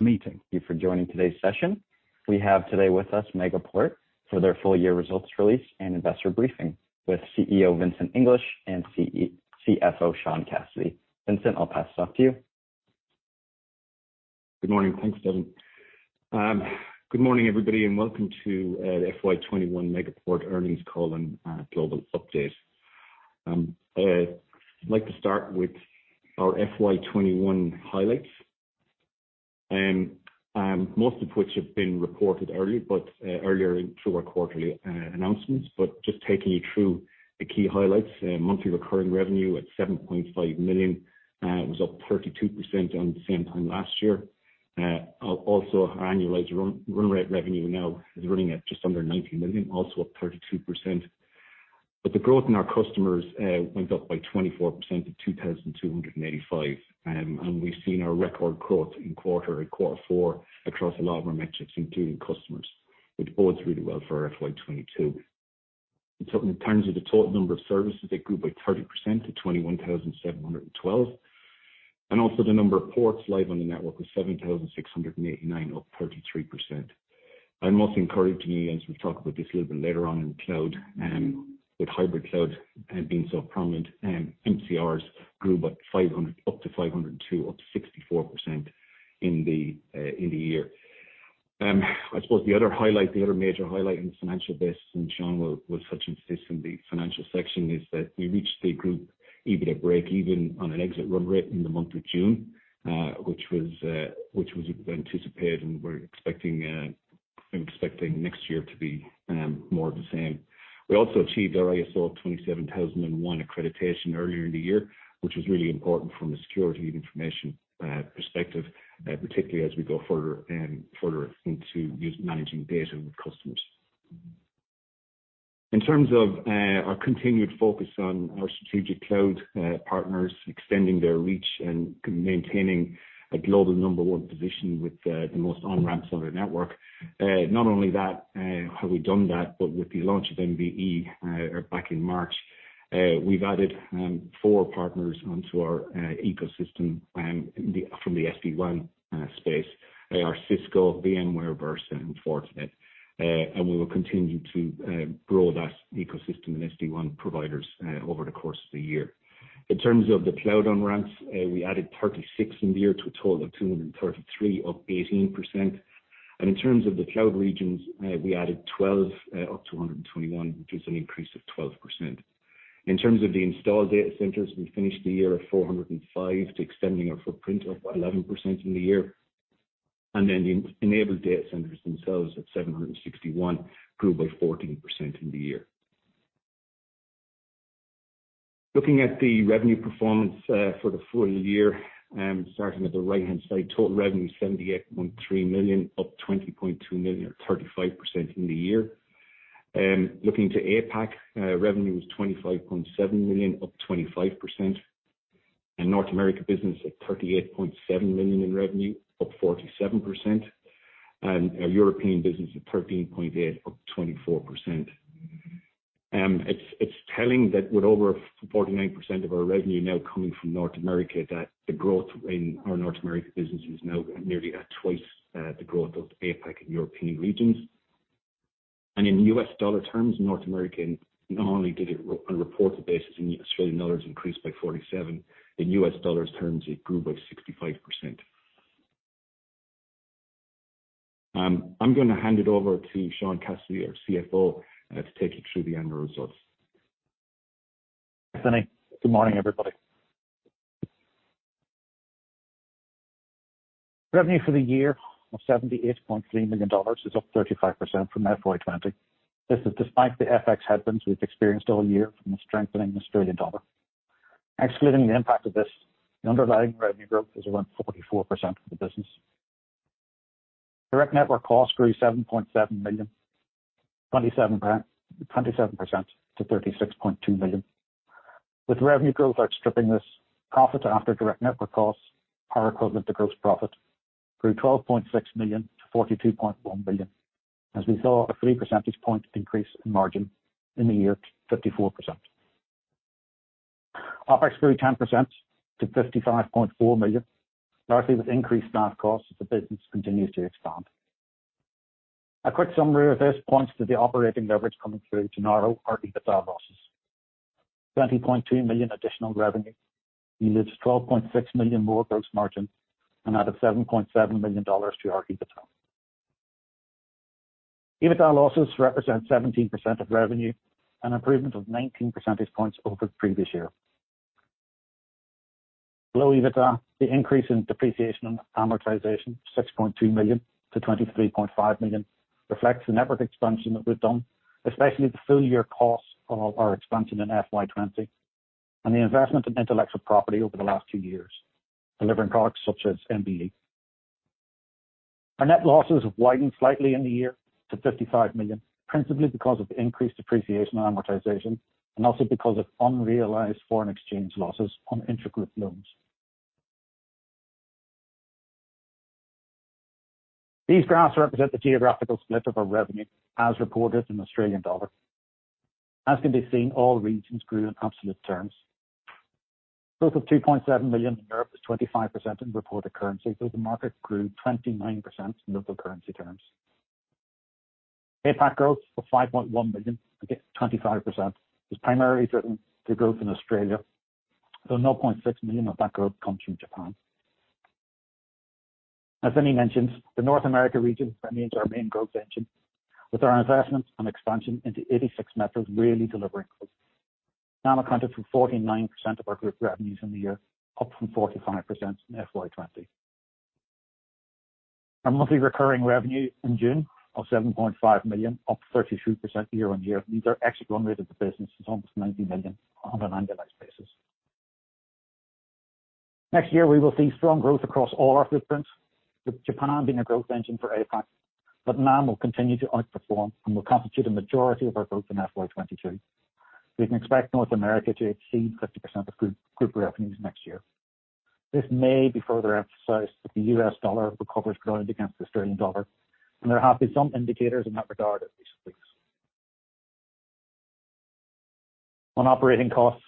Thank you for joining today's session. We have today with us Megaport for their full year results release and investor briefing with CEO Vincent English and CFO Sean Cassidy. Vincent, I'll pass it off to you. Good morning. Thanks, Devin. Good morning, everybody. Welcome to FY 2021 Megaport Earnings Call and Global Update. I'd like to start with our FY 2021 highlights, most of which have been reported earlier through our quarterly announcements. Just taking you through the key highlights. Monthly recurring revenue at 7.5 million was up 32% on the same time last year. Our annualized run rate revenue now is running at just under 90 million, also up 32%. The growth in our customers went up by 24% to 2,285. We've seen our record growth in quarter four, across a lot of our metrics, including customers, which bodes really well for our FY 2022. In terms of the total number of services, it grew by 30% to 21,712, and also the number of ports live on the network was 7,689, up 33%. Most encouraging to me, as we talk about this a little bit later on in cloud, with hybrid cloud being so prominent, MCRs grew up to 502, up 64% in the year. I suppose the other major highlight on the financial base, Sean will touch on this in the financial section, is that we reached the group EBITDA breakeven on an exit run rate in the month of June, which was anticipated, and we're expecting next year to be more of the same. We also achieved our ISO 27001 accreditation earlier in the year, which was really important from a security of information perspective, particularly as we go further into managing data with customers. In terms of our continued focus on our strategic cloud partners, extending their reach and maintaining a global number one position with the most on-ramps on our network. Not only have we done that, with the launch of MVE back in March, we've added four partners onto our ecosystem from the SD-WAN space. They are Cisco, VMware, Versa, and Fortinet. We will continue to grow that ecosystem and SD-WAN providers over the course of the year. In terms of the cloud on-ramps, we added 36 in the year to a total of 233, up 18%. In terms of the cloud regions, we added 12, up to 121, which is an increase of 12%. In terms of the installed data centers, we finished the year at 405 to extending our footprint up 11% in the year. The enabled data centers themselves at 761, grew by 14% in the year. Looking at the revenue performance for the full year, starting at the right-hand side, total revenue 78.3 million, up 20.2 million or 35% in the year. Looking to APAC, revenue was 25.7 million, up 25%. North America business at 38.7 million in revenue, up 47%. Our European business at 13.8 million, up 24%. It's telling that with over 49% of our revenue now coming from North America, that the growth in our North America business is now nearly at twice the growth of the APAC and European regions. In U.S. dollar terms, North American, not only did it on a reported basis in Australian dollars increase by 47%, in U.S. dollar terms, it grew by 65%. I'm going to hand it over to Sean Cassidy, our CFO, to take you through the annual results. Thanks, Vinny. Good morning, everybody. Revenue for the year of 78.3 million dollars is up 35% from FY 2020. This is despite the FX headwinds we've experienced all year from the strengthening Australian dollar. Excluding the impact of this, the underlying revenue growth is around 44% for the business. Direct network costs grew 7.7 million, 27% to 36.2 million. With revenue growth outstripping this, profit after direct network costs, our equivalent to gross profit, grew 12.6 million to 42.1 million as we saw a 3 percentage point increase in margin in the year to 54%. OpEx grew 10% to 55.4 million, largely with increased staff costs as the business continues to expand. A quick summary of this points to the operating leverage coming through to narrow our EBITDA losses. 20.2 million additional revenue yields 12.6 million more gross margin and added 7.7 million dollars to our EBITDA. EBITDA losses represent 17% of revenue, an improvement of 19 percentage points over the previous year. Below EBITDA, the increase in depreciation and amortization, 6.2 million-23.5 million, reflects the network expansion that we've done, especially the full-year costs of our expansion in FY 2020, and the investment in intellectual property over the last two years, delivering products such as MVE. Our net losses have widened slightly in the year to 55 million, principally because of increased depreciation and amortization, and also because of unrealized foreign exchange losses on intragroup loans. These graphs represent the geographical split of our revenue as reported in Australian dollar. As can be seen, all regions grew in absolute terms. Growth of 2.7 million in Europe is 25% in reported currency, the market grew 29% in local currency terms. APAC growth of 5.1 million against 25% is primarily driven through growth in Australia, though 0.6 million of that growth comes from Japan. As Vinny mentioned, the North America region remains our main growth engine with our investment and expansion into 86 metros really delivering for us. NAM accounted for 49% of our group revenues in the year, up from 45% in FY 2020. Our monthly recurring revenue in June of 7.5 million, up 33% year-on-year means our exit run rate of the business is almost 90 million on an annualized basis. Next year, we will see strong growth across all our footprints, with Japan being a growth engine for APAC. NAM will continue to outperform and will constitute a majority of our growth in FY 2022. We can expect North America to exceed 50% of group revenues next year. This may be further emphasized if the US dollar recovers ground against the Australian dollar. There have been some indicators in that regard in recent weeks. On operating costs,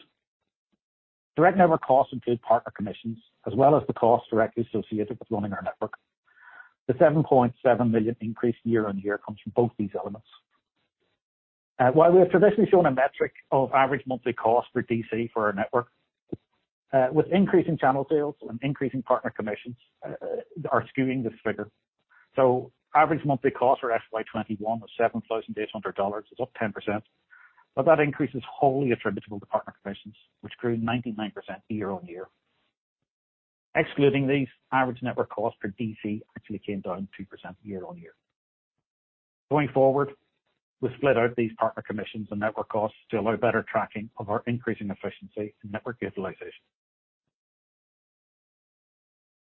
direct network costs include partner commissions, as well as the costs directly associated with running our network. The 7.7 million increase year-on-year comes from both these elements. While we have traditionally shown a metric of average monthly cost per DC for our network, with increasing channel sales and increasing partner commissions are skewing this figure. Average monthly cost for FY 2021 was 7,800 dollars, it's up 10%, but that increase is wholly attributable to partner commissions, which grew 99% year-on-year. Excluding these, average network cost per DC actually came down 2% year-on-year. Going forward, we've split out these partner commissions and network costs to allow better tracking of our increasing efficiency and network utilization.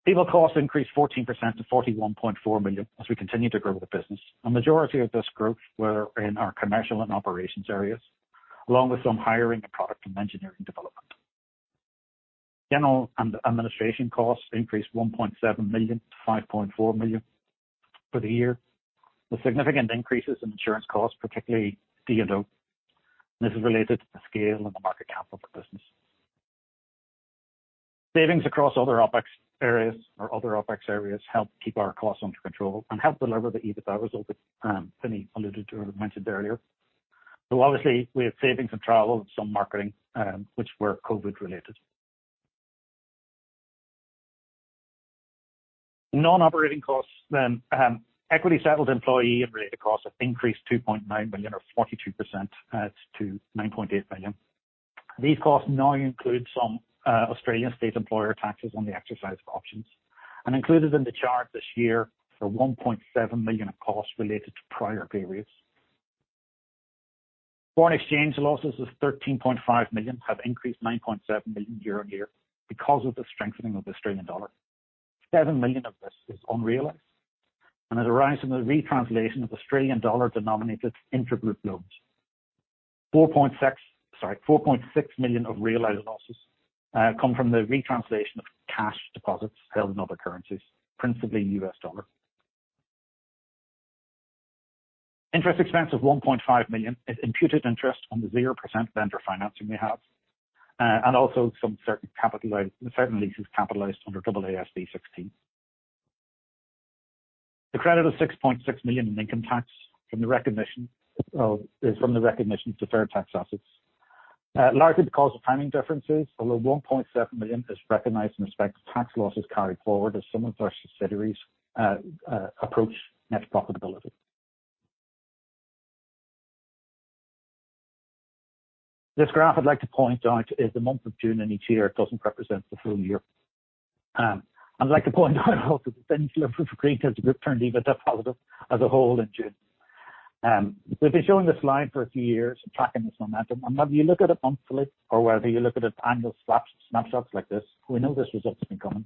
People costs increased 14% to 41.4 million as we continue to grow the business. A majority of this growth were in our commercial and operations areas, along with some hiring in product and engineering development. General and administration costs increased 1.7 million to 5.4 million for the year, with significant increases in insurance costs, particularly D&O, and this is related to the scale and the market cap of the business. Savings across other OPEX areas help keep our costs under control and help deliver the EBITDA result that Vinny alluded to or mentioned earlier. Obviously, we have savings in travel and some marketing, which were COVID related. Non-operating costs. Equity settled employee and related costs have increased 2.9 million or 42% to 9.8 million. These costs now include some Australian state employer taxes on the exercise of options and included in the chart this year are 1.7 million of costs related to prior periods. Foreign exchange losses of 13.5 million have increased 9.7 million year-on-year because of the strengthening of the Australian dollar. 7 million of this is unrealized and it arises in the retranslation of Australian dollar denominated intragroup loans. 4.6 million of realized losses come from the retranslation of cash deposits held in other currencies, principally US dollar. Interest expense of 1.5 million is imputed interest on the 0% vendor financing we have and also some certain leases capitalized under AASB 16. The credit of 6.6 million in income tax is from the recognition of deferred tax assets, largely because of timing differences, although 1.7 million is recognized in respect to tax losses carried forward as some of our subsidiaries approach net profitability. This graph I'd like to point out is the month of June in each year. It doesn't represent the full year. I'd like to point out also that since the group turned EBITDA positive as a whole in June, we've been showing this slide for a few years and tracking this momentum, and whether you look at it monthly or whether you look at it annual snapshots like this, we know this result's been coming.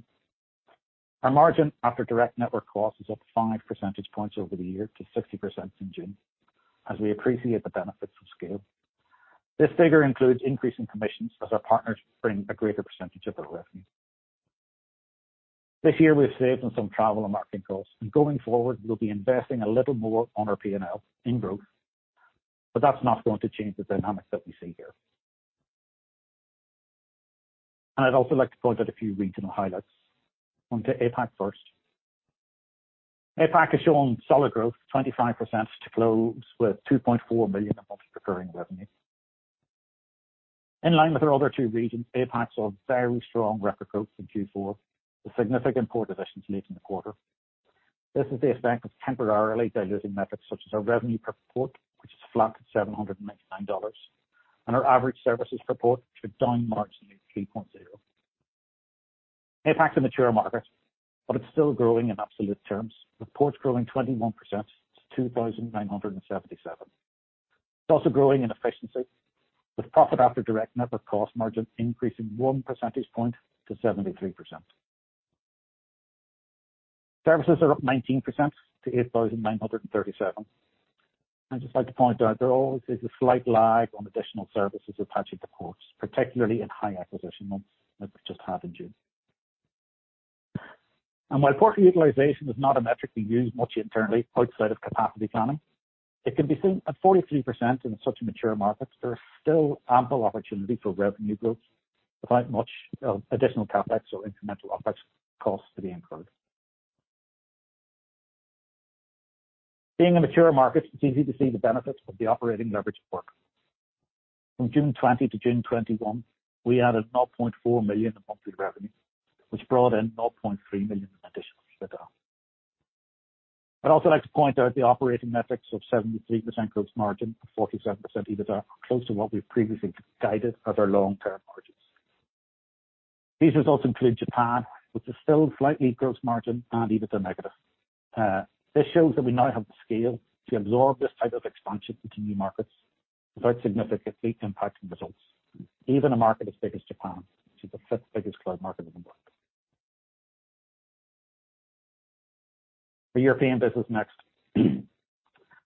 Our margin after direct network cost is up 5 percentage points over the year to 60% in June as we appreciate the benefits of scale. This figure includes increase in commissions as our partners bring a greater % of their revenue. This year we've saved on some travel and marketing costs, and going forward, we'll be investing a little more on our P&L in growth, but that's not going to change the dynamics that we see here. I'd also like to point out a few regional highlights. On to APAC first. APAC has shown solid growth, 25% to close with 2.4 million in monthly recurring revenue. In line with our other two regions, APAC saw very strong record growth in Q4 with significant port additions late in the quarter. This has the effect of temporarily diluting metrics such as our revenue per port, which is flat at 799 dollars, and our average services per port, which are down marginally at 3.0. APAC is a mature market, but it's still growing in absolute terms, with ports growing 21% to 2,977. It's also growing in efficiency with profit after direct network cost margin increasing 1 percentage point to 73%. Services are up 19% to 8,937. I'd just like to point out there always is a slight lag on additional services attaching to ports, particularly in high acquisition months like we just had in June. While port utilization is not a metric we use much internally outside of capacity planning, it can be seen at 43% in such a mature market, there are still ample opportunities for revenue growth without much additional CapEx or incremental OpEx costs to be incurred. Being a mature market, it's easy to see the benefits of the operating leverage at work. From June 2020 to June 2021, we added 0.4 million in monthly revenue, which brought in 0.3 million in additional EBITDA. I'd also like to point out the operating metrics of 73% gross margin and 47% EBITDA are close to what we've previously guided as our long-term margins. These results include Japan, which is still slightly gross margin and EBITDA negative. This shows that we now have the scale to absorb this type of expansion into new markets without significantly impacting results, even a market as big as Japan, which is the fifth biggest cloud market in the world. The European business next.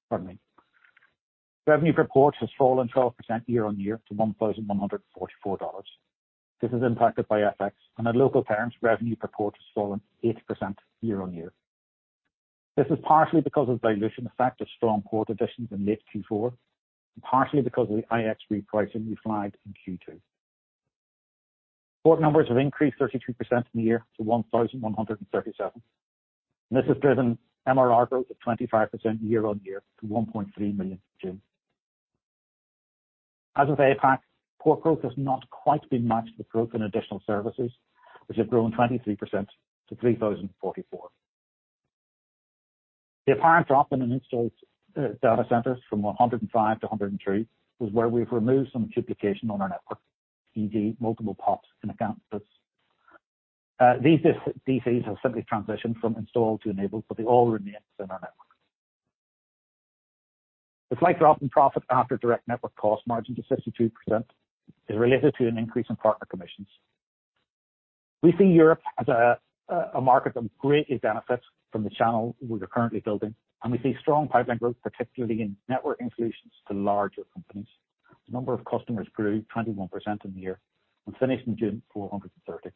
Pardon me. Revenue per port has fallen 12% year-on-year to 1,144 dollars. This is impacted by FX, at local terms, revenue per port has fallen 8% year-on-year. This is partially because of the dilution effect of strong port additions in late Q4, and partially because of the IX repricing we flagged in Q2. Port numbers have increased 33% in the year to 1,137. This has driven MRR growth of 25% year-on-year to 1.3 million in June. As with APAC, port growth has not quite been matched with growth in additional services, which have grown 23% to 3,044. The apparent drop in installed data centers from 105 to 103 was where we've removed some duplication on our network, e.g., multiple PoPs in a campus. These DCs have simply transitioned from installed to enabled, but they all remain within our network. The slight drop in profit after direct network cost margin to 62% is related to an increase in partner commissions. We see Europe as a market that greatly benefits from the channel we are currently building, and we see strong pipeline growth, particularly in network solutions to larger companies. The number of customers grew 21% in the year and finished in June 430.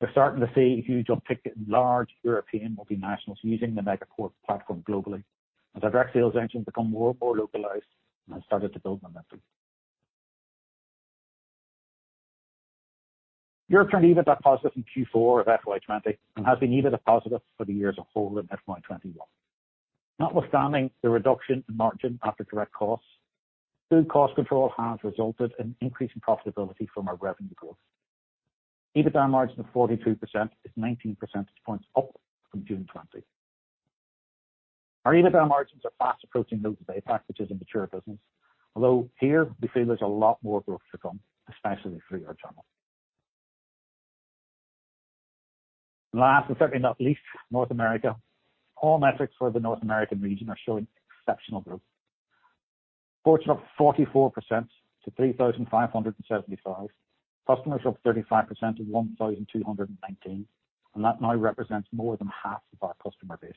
We're starting to see huge uptick in large European multinationals using the Megaport platform globally as our direct sales engine become more localized and has started to build momentum. Europe turned EBITDA positive in Q4 of FY 2020 and has been EBITDA positive for the year as a whole in FY 2021. Notwithstanding the reduction in margin after direct costs, good cost control has resulted in increasing profitability from our revenue growth. EBITDA margin of 42% is 19 percentage points up from June 2020. Our EBITDA margins are fast approaching those of APAC, which is a mature business, although here we feel there's a lot more growth to come, especially through our channels. Last and certainly not least, North America. All metrics for the North American region are showing exceptional growth. Ports are up 44% to 3,575. Customers up 35% to 1,219, and that now represents more than half of our customer base.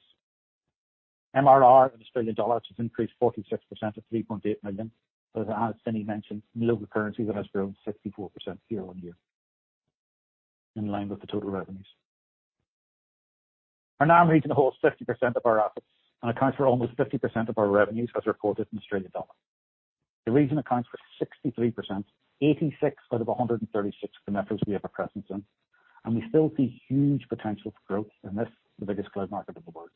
MRR in Australian dollars has increased 46% to 3.8 million. As Vinny mentioned, in local currency, that has grown 64% year-on-year in line with the total revenues. Our NAM region holds 50% of our assets and accounts for almost 50% of our revenues as reported in Australian dollars. The region accounts for 63%, 86 out of 136 of the metros we have a presence in. We still see huge potential for growth in this, the biggest cloud market in the world.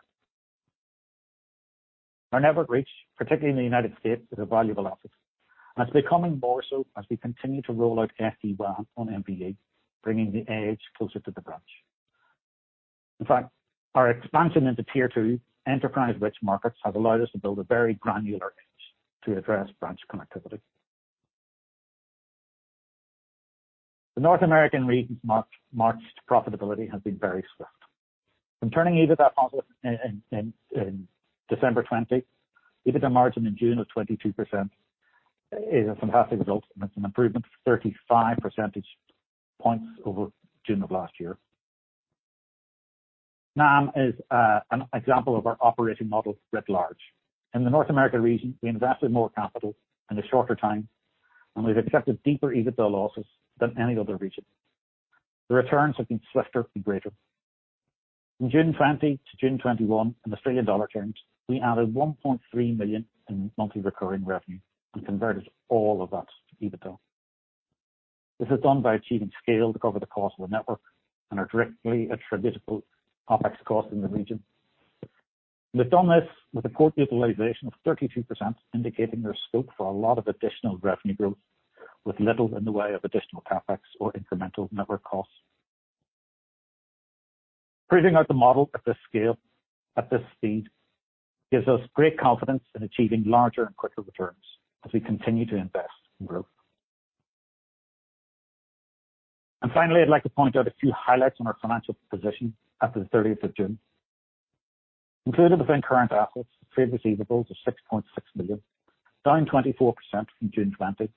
Our network reach, particularly in the U.S., is a valuable asset. It's becoming more so as we continue to roll out SD-WAN on MVE, bringing the edge closer to the branch. In fact, our expansion into tier two enterprise-rich markets has allowed us to build a very granular edge to address branch connectivity. The North American region's march to profitability has been very swift. From turning EBITDA positive in December 2020, EBITDA margin in June of 22% is a fantastic result, and it's an improvement of 35 percentage points over June of last year. NAM is an example of our operating model writ large. In the North America region, we invested more capital in a shorter time, and we've accepted deeper EBITDA losses than any other region. The returns have been swifter and greater. From June 2020 to June 2021, in Australian dollar terms, we added 1.3 million in monthly recurring revenue and converted all of that to EBITDA. This is done by achieving scale to cover the cost of the network and are directly attributable to OpEx costs in the region. We've done this with a port utilization of 32%, indicating there's scope for a lot of additional revenue growth with little in the way of additional CapEx or incremental network costs. Proving out the model at this scale, at this speed, gives us great confidence in achieving larger and quicker returns as we continue to invest and grow. Finally, I'd like to point out a few highlights on our financial position after the 30th of June. Included within current assets are trade receivables of 6.6 million, down 24% from June 2020.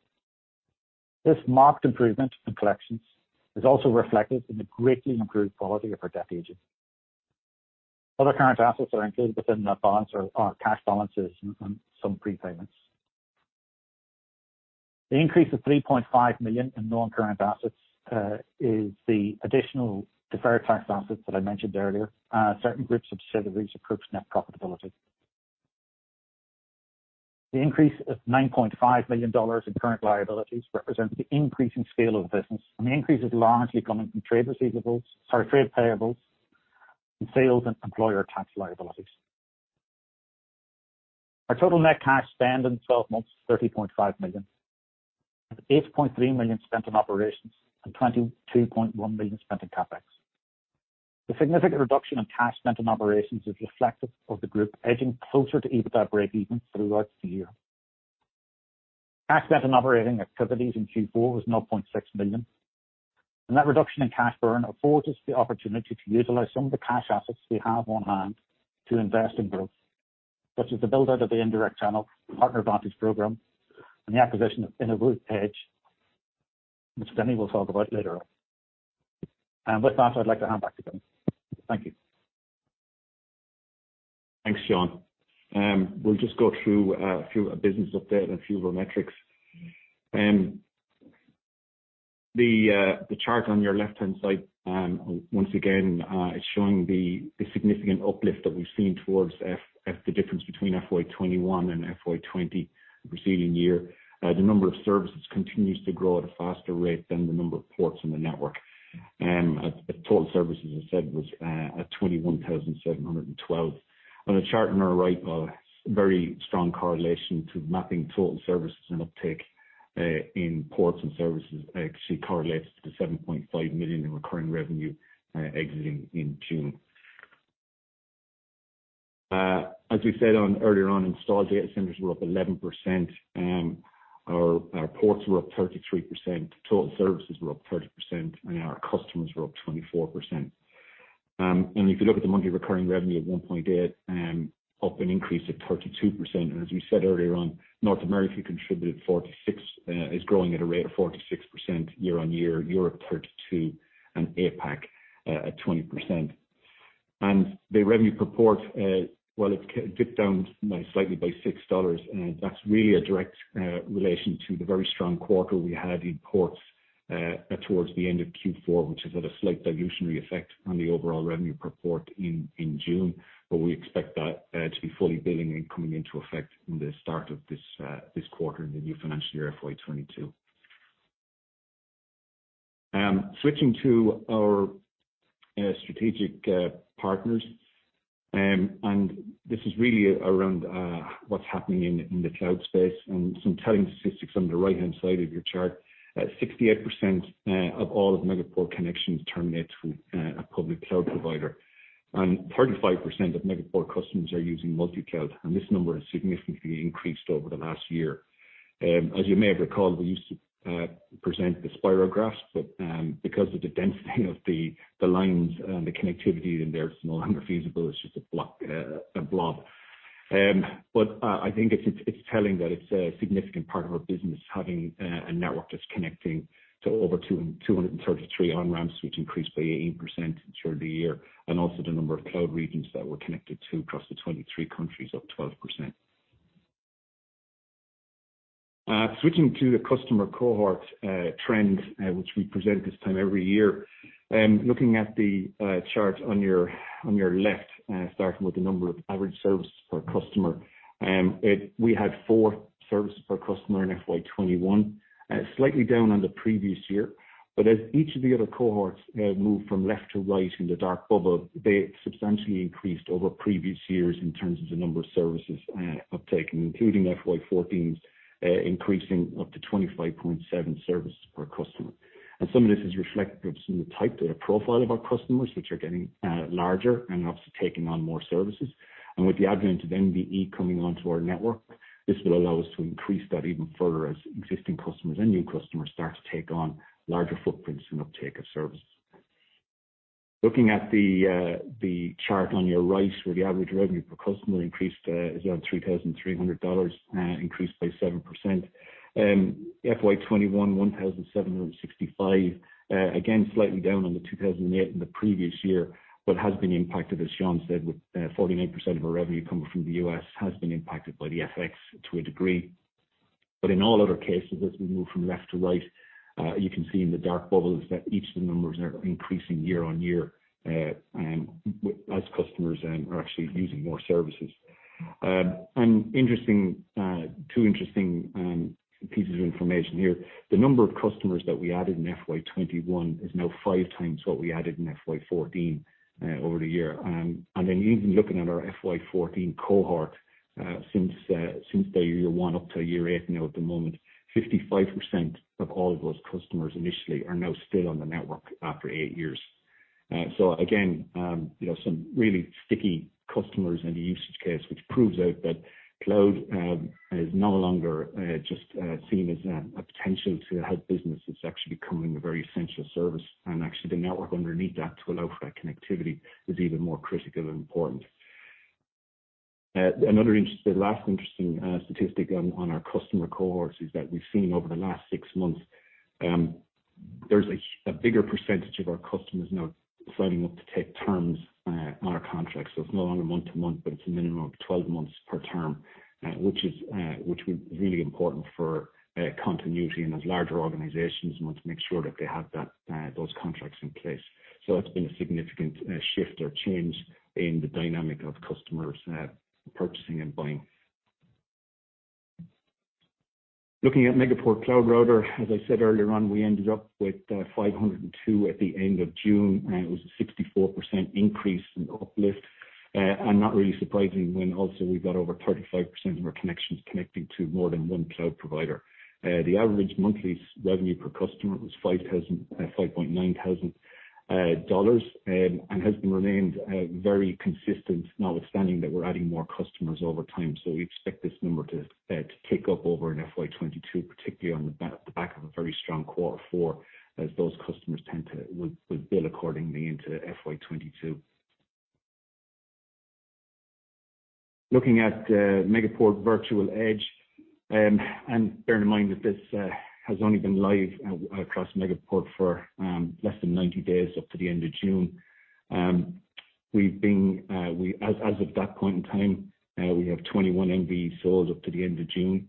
This marked improvement in collections is also reflected in the greatly improved quality of our debt aging. Other current assets are included within our cash balances and some prepayments. The increase of 3.5 million in non-current assets is the additional deferred tax assets that I mentioned earlier. Certain groups of subsidiaries improved net profitability. The increase of 9.5 million dollars in current liabilities represents the increasing scale of the business, and the increase is largely coming from trade payables and sales and employer tax liabilities. Our total net cash spend in 12 months, 30.5 million. 8.3 million spent on operations and 22.1 million spent in CapEx. The significant reduction in cash spent on operations is reflective of the group edging closer to EBITDA breakeven throughout the year. Cash spent on operating activities in Q4 was 0.6 million. That reduction in cash burn affords us the opportunity to utilize some of the cash assets we have on hand to invest in growth, such as the build-out of the indirect channel, PartnerVantage program, and the acquisition of InnovoEdge, which Vinny will talk about later on. With that, I'd like to hand back to Vinny. Thank you. Thanks, Sean. We'll just go through a business update and a few of our metrics. The chart on your left-hand side, once again, it's showing the significant uplift that we've seen towards the difference between FY 2021 and FY 2020, the preceding year. The number of services continues to grow at a faster rate than the number of ports in the network. Total services, as I said, was at 21,712. On the chart on our right, a very strong correlation to mapping total services and uptake in ports and services actually correlates to the 7.5 million in recurring revenue exiting in June. As we said earlier on, installed data centers were up 11%. Our ports were up 33%. Total services were up 30%. Our customers were up 24%. If you look at the monthly recurring revenue at 1.8 million, up an increase of 32%. As we said earlier on, North America is growing at a rate of 46% year-on-year, Europe 32%, and APAC at 20%. The revenue per port, while it dipped down slightly by 6 dollars, that's really a direct relation to the very strong quarter we had in ports towards the end of Q4, which has had a slight dilutionary effect on the overall revenue per port in June. We expect that to be fully billing and coming into effect in the start of this quarter in the new financial year, FY 2022. Switching to our strategic partners, and this is really around what's happening in the cloud space and some telling statistics on the right-hand side of your chart. 68% of all of Megaport connections terminate to a public cloud provider, and 35% of Megaport customers are using multicloud, and this number has significantly increased over the last year. As you may have recalled, we used to present the spiral graphs, but because of the density of the lines and the connectivity in there, it's no longer feasible. It's just a blob. I think it's telling that it's a significant part of our business having a network that's connecting to over 233 on-ramps, which increased by 18% during the year. Also the number of cloud regions that we're connected to across the 23 countries, up 12%. Switching to the customer cohort trend, which we present this time every year. Looking at the chart on your left, starting with the number of average services per customer. We had four services per customer in FY 2021, slightly down on the previous year. As each of the other cohorts move from left to right in the dark bubble, they substantially increased over previous years in terms of the number of services uptake, including FY 2014, increasing up to 25.7 services per customer. Some of this is reflective in the type or profile of our customers, which are getting larger and obviously taking on more services. With the advent of MVE coming onto our network, this will allow us to increase that even further as existing customers and new customers start to take on larger footprints and uptake of services. Looking at the chart on your right where the average revenue per customer is around 3,300 dollars, increased by 7%. FY 2021, 1,765. Slightly down on the 2,008 in the previous year, but has been impacted, as Sean said, with 49% of our revenue coming from the U.S. has been impacted by the FX to a degree. In all other cases, as we move from left to right, you can see in the dark bubbles that each of the numbers are increasing year-over-year as customers are actually using more services. Two interesting pieces of information here. The number of customers that we added in FY 2021 is now 5x what we added in FY 2014 over the year. Even looking at our FY 2014 cohort, since their year one up to year eight now at the moment, 55% of all of those customers initially are now still on the network after eight years. Again, some really sticky customers in the usage case, which proves out that cloud is no longer just seen as a potential to help business. It's actually becoming a very essential service. Actually, the network underneath that to allow for that connectivity is even more critical and important. The last interesting statistic on our customer cohorts is that we've seen over the last six months. There's a bigger percentage of our customers now signing up to take terms on our contracts. It's no longer month-to-month, but it's a minimum of 12 months per term, which is really important for continuity and as larger organizations want to make sure that they have those contracts in place. That's been a significant shift or change in the dynamic of customers purchasing and buying. Looking at Megaport Cloud Router, as I said earlier on, we ended up with 502 at the end of June. It was a 64% increase in uplift. Not really surprising when also we've got over 35% of our connections connecting to more than one cloud provider. The average monthly revenue per customer was 5,900 dollars, and has remained very consistent, notwithstanding that we're adding more customers over time. We expect this number to tick up over in FY 2022, particularly on the back of a very strong quarter four, as those customers will bill accordingly into FY 2022. Looking at Megaport Virtual Edge, and bear in mind that this has only been live across Megaport for less than 90 days up to the end of June. As of that point in time, we have 21 MVEs sold up to the end of June.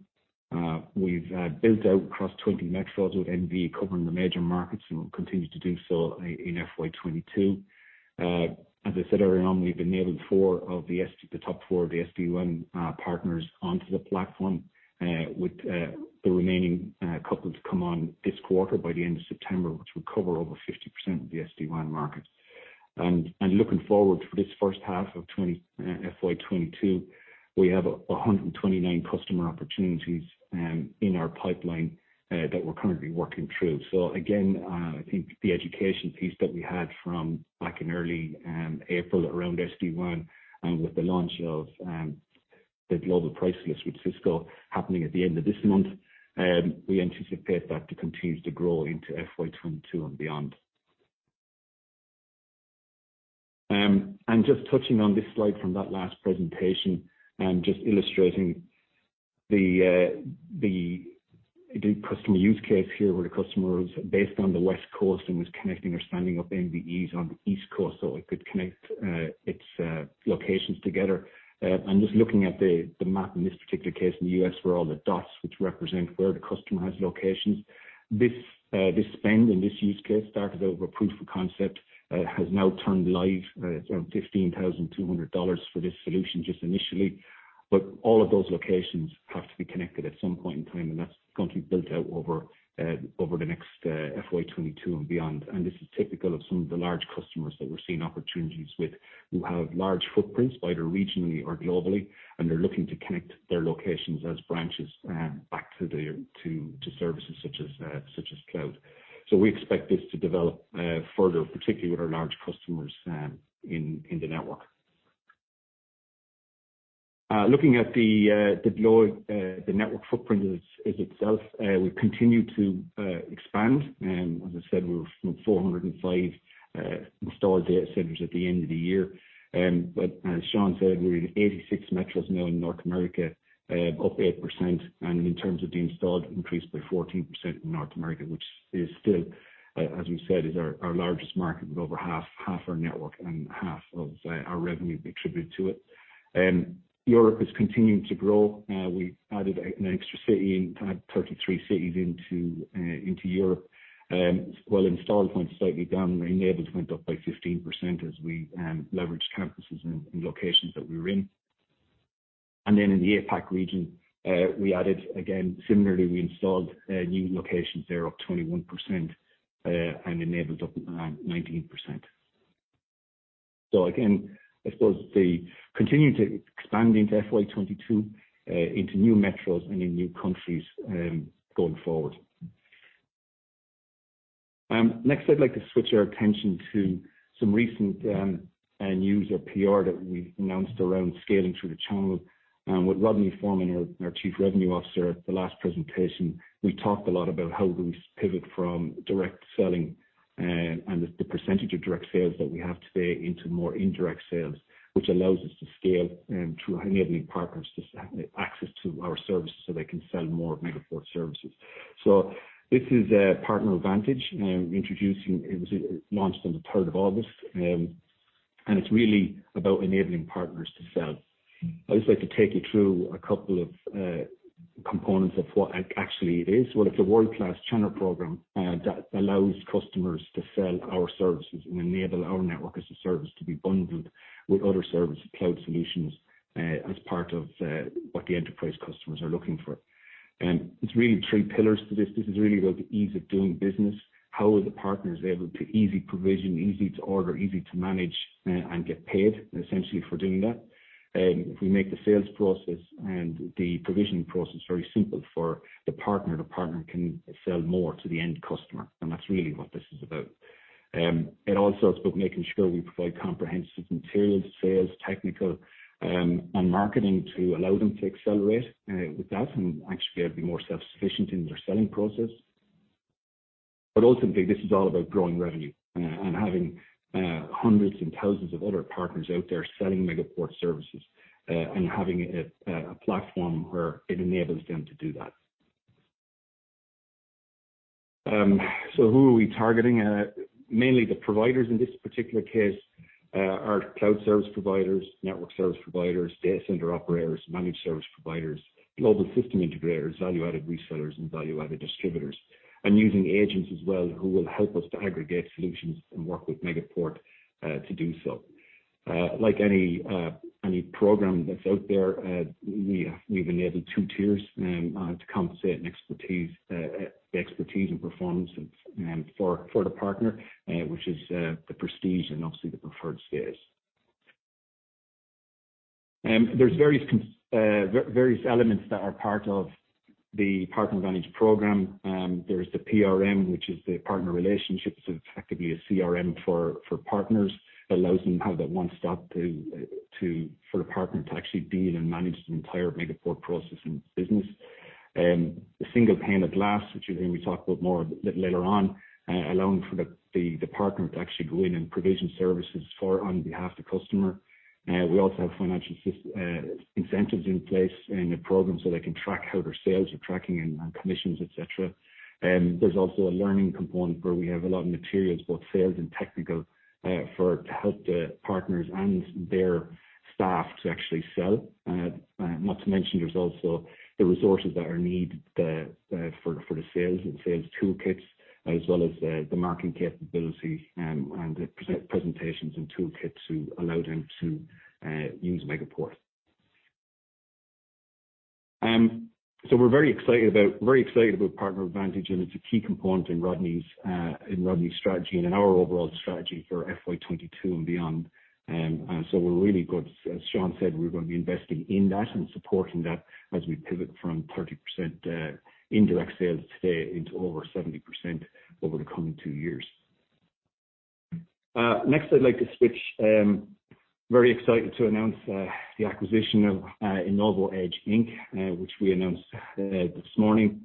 We've built out across 20 metros with MVE covering the major markets. We'll continue to do so in FY 2022. As I said earlier on, we've enabled the top four of the SD-WAN partners onto the platform, with the remaining couple to come on this quarter by the end of September, which will cover over 50% of the SD-WAN market. Looking forward for this first half of FY 2022, we have 129 customer opportunities in our pipeline that we're currently working through. Again, I think the education piece that we had from back in early April around SD-WAN and with the launch of the global price list with Cisco happening at the end of this month, we anticipate that to continue to grow into FY 2022 and beyond. Just touching on this slide from that last presentation, just illustrating the customer use case here, where the customer was based on the West Coast and was connecting or standing up MVEs on the East Coast so it could connect its locations together. Just looking at the map in this particular case in the U.S., where all the dots which represent where the customer has locations. This spend and this use case started out with a proof of concept, has now turned live, 15,200 dollars for this solution just initially. All of those locations have to be connected at some point in time, and that's going to be built out over the next FY 2022 and beyond. This is typical of some of the large customers that we're seeing opportunities with, who have large footprints, either regionally or globally, and they're looking to connect their locations as branches back to services such as cloud. We expect this to develop further, particularly with our large customers in the network. Looking at the network footprint itself, we continue to expand. As I said, we were from 405 installed data centers at the end of the year. As Sean said, we're in 86 metros now in North America, up 8%, and in terms of the installed, increased by 14% in North America, which is still, as we said, is our largest market with over half our network and half of our revenue attributed to it. Europe has continued to grow. We added an extra city in, to add 33 cities into Europe. While installs went slightly down, enables went up by 15% as we leveraged campuses and locations that we were in. In the APAC region, we added again, similarly, we installed new locations there, up 21%, and enables up 19%. Again, I suppose they continue to expand into FY 2022 into new metros and in new countries going forward. Next, I'd like to switch our attention to some recent news or PR that we announced around scaling through the channel. With Rodney Foreman, our Chief Revenue Officer, at the last presentation, we talked a lot about how we pivot from direct selling and the percentage of direct sales that we have today into more indirect sales, which allows us to scale through enabling partners to access to our services so they can sell more of Megaport's services. This is PartnerVantage. It was launched on the 3rd of August, and it's really about enabling partners to sell. I'd just like to take you through a couple of components of what actually it is. Well, it's a world-class channel program that allows customers to sell our services and enable our Network as a Service to be bundled with other service cloud solutions as part of what the enterprise customers are looking for. It's really three pillars to this. This is really about the ease of doing business. How are the partners able to easy provision, easy to order, easy to manage and get paid, essentially, for doing that? If we make the sales process and the provisioning process very simple for the partner, the partner can sell more to the end customer, and that's really what this is about. It also is about making sure we provide comprehensive materials, sales, technical, and marketing to allow them to accelerate with that and actually be more self-sufficient in their selling process. Ultimately, this is all about growing revenue and having hundreds and thousands of other partners out there selling Megaport services and having a platform where it enables them to do that. Who are we targeting? Mainly the providers in this particular case are cloud service providers, network service providers, data center operators, managed service providers, global system integrators, value-added resellers, and value-added distributors. Using agents as well, who will help us to aggregate solutions and work with Megaport to do so. Like any program that's out there, we've enabled 2 tiers to compensate the expertise and performance for the partner, which is the prestige and obviously the preferred status. There's various elements that are part of the PartnerVantage program. There's the PRM, which is the partner relationships. It's effectively a CRM for partners. It allows them to have that one stop for the partner to actually deal and manage the entire Megaport process and business. The single pane of glass, which again, we'll talk about more later on, allowing for the partner to actually go in and provision services for, on behalf of the customer. We also have financial incentives in place, and a program so they can track how their sales are tracking and commissions, et cetera. There's also a learning component where we have a lot of materials, both sales and technical, to help the partners and their staff to actually sell. Not to mention, there's also the resources that are needed for the sales and sales toolkits, as well as the marketing capability and the presentations and toolkits to allow them to use Megaport. We're very excited about PartnerVantage, and it's a key component in Rodney's strategy and in our overall strategy for FY 2022 and beyond. We're really good. As Sean said, we're going to be investing in that and supporting that as we pivot from 30% indirect sales today into over 70% over the coming two years. Next, I'd like to switch. Very excited to announce the acquisition of InnovoEdge Inc., which we announced this morning.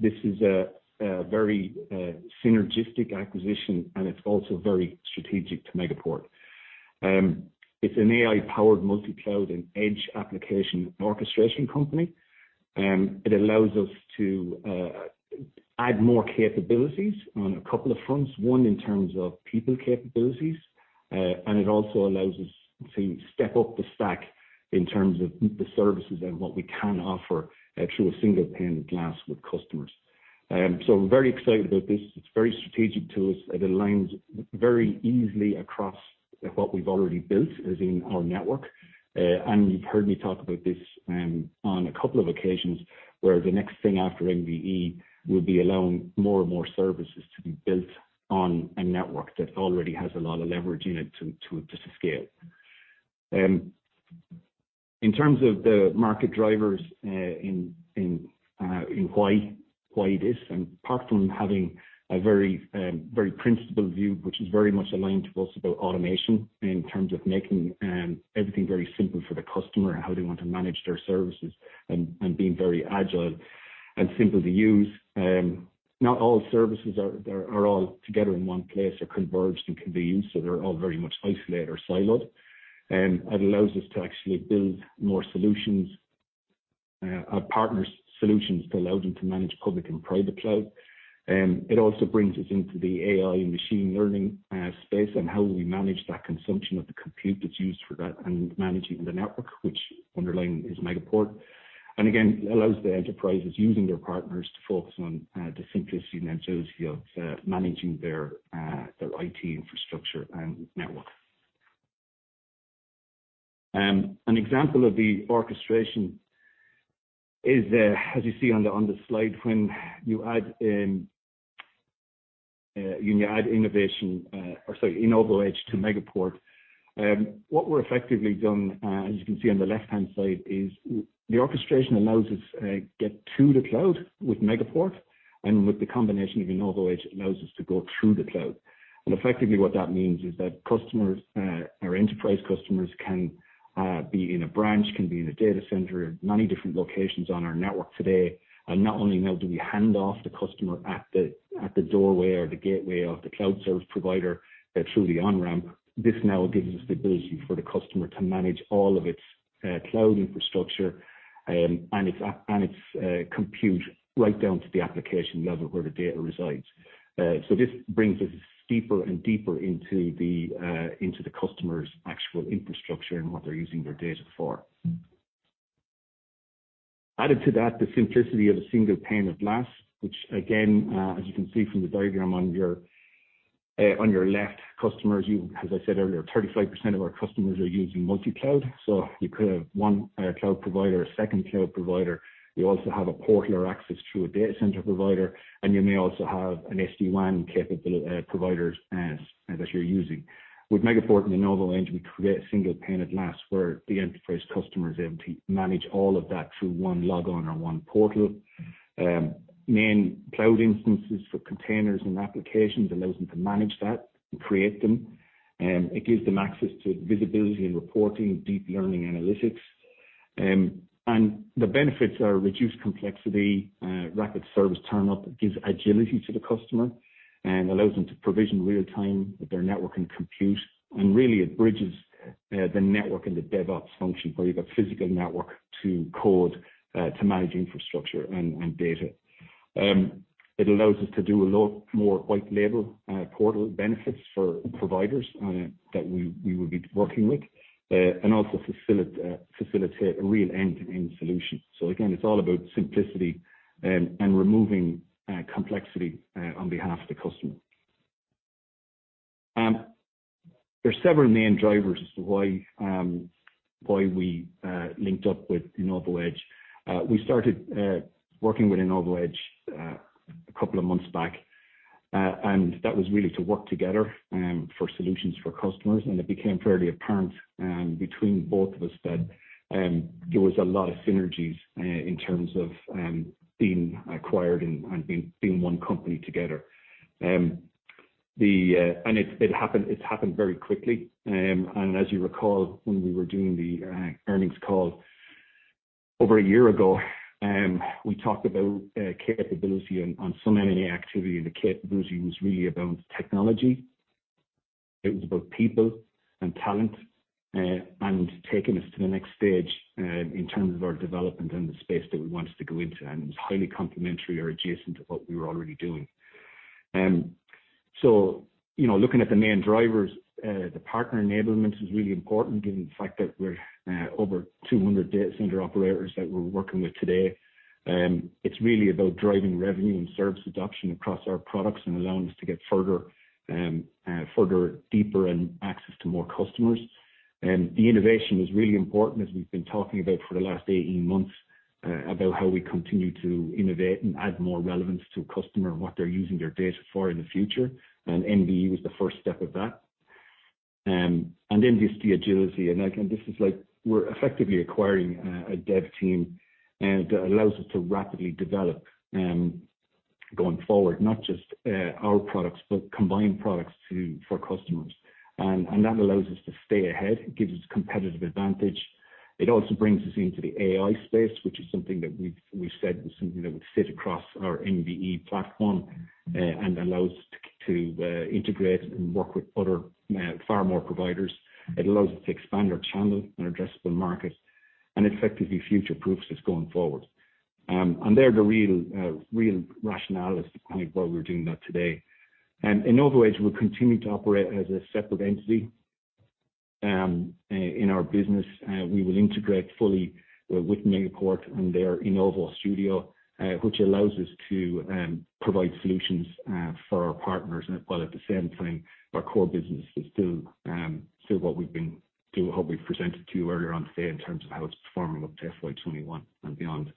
This is a very synergistic acquisition and it's also very strategic to Megaport. It's an AI-powered multi-cloud and edge application orchestration company. It allows us to add more capabilities on a couple of fronts. One, in terms of people capabilities, it also allows us to step up the stack in terms of the services and what we can offer through a single pane of glass with customers. We're very excited about this. It's very strategic to us. It aligns very easily across what we've already built, as in our network. You've heard me talk about this on a couple of occasions, where the next thing after MVE will be allowing more and more services to be built on a network that already has a lot of leverage in it to scale. In terms of the market drivers and why this, apart from having a very principled view, which is very much aligned to us about automation in terms of making everything very simple for the customer and how they want to manage their services and being very agile and simple to use. Not all services are all together in one place or converged and convened, so they're all very much isolated or siloed. It allows us to actually build more solutions, our partners solutions, to allow them to manage public and private cloud. It also brings us into the AI and machine learning space and how we manage that consumption of the compute that's used for that, and managing the network, which underlying is Megaport. Again, it allows the enterprises using their partners to focus on the simplicity and agility of managing their IT infrastructure and network. An example of the orchestration is, as you see on the slide, when you add InnovoEdge to Megaport. What we've effectively done, as you can see on the left-hand side, is the orchestration allows us get to the cloud with Megaport and with the combination of InnovoEdge, allows us to go through the cloud. Effectively what that means is that our enterprise customers can be in a branch, can be in a data center, many different locations on our network today. Not only now do we hand off the customer at the doorway or the gateway of the cloud service provider through the on-ramp, this now gives us the ability for the customer to manage all of its cloud infrastructure and its compute right down to the application level where the data resides. This brings us deeper and deeper into the customer's actual infrastructure and what they're using their data for. Added to that, the simplicity of a single pane of glass, which again, as you can see from the diagram on your left, customers, as I said earlier, 35% of our customers are using multi-cloud. You could have 1 cloud provider, a second cloud provider. You also have a portal or access through a data center provider, and you may also have an SD-WAN providers that you're using. With Megaport and InnovoEdge, we create a single pane of glass where the enterprise customer is able to manage all of that through one login or one portal. Main cloud instances for containers and applications allows them to manage that and create them. It gives them access to visibility and reporting, deep learning analytics. The benefits are reduced complexity, rapid service turn-up that gives agility to the customer and allows them to provision real time with their network and compute. Really it bridges the network and the DevOps function, where you've got physical network to code, to manage infrastructure and data. It allows us to do a lot more white label portal benefits for providers that we will be working with, and also facilitate a real end-to-end solution. Again, it's all about simplicity and removing complexity on behalf of the customer. There's several main drivers as to why we linked up with InnovoEdge. We started working with InnovoEdge a couple of months back, and that was really to work together for solutions for customers. It became fairly apparent, between both of us that there was a lot of synergies in terms of being acquired and being one company together. It's happened very quickly. As you recall, when we were doing the earnings call over a year ago, we talked about capability on so many M&A activity, and the capability was really about technology. It was about people and talent, and taking us to the next stage in terms of our development and the space that we wanted to go into. It was highly complementary or adjacent to what we were already doing. Looking at the main drivers, the partner enablement is really important given the fact that we're over 200 data center operators that we're working with today. It's really about driving revenue and service adoption across our products and allowing us to get further, deeper, and access to more customers. The innovation was really important, as we've been talking about for the last 18 months, about how we continue to innovate and add more relevance to customer and what they're using their data for in the future. MVE was the first step of that. Then just the agility. Again, this is like we're effectively acquiring a dev team that allows us to rapidly develop going forward. Not just our products, but combined products for customers. That allows us to stay ahead. It gives us competitive advantage. It also brings us into the AI space, which is something that we've said is something that would sit across our MVE platform, and allows us to integrate and work with far more providers. It allows us to expand our channel and addressable market, and effectively future-proofs us going forward. They're the real rationale as to kind of why we're doing that today. InnovoEdge will continue to operate as a separate entity in our business. We will integrate fully with Megaport and their InnovoStudio, which allows us to provide solutions for our partners. While at the same time, our core business is still what we've presented to you earlier on today in terms of how it's performing up to FY 2021 and beyond.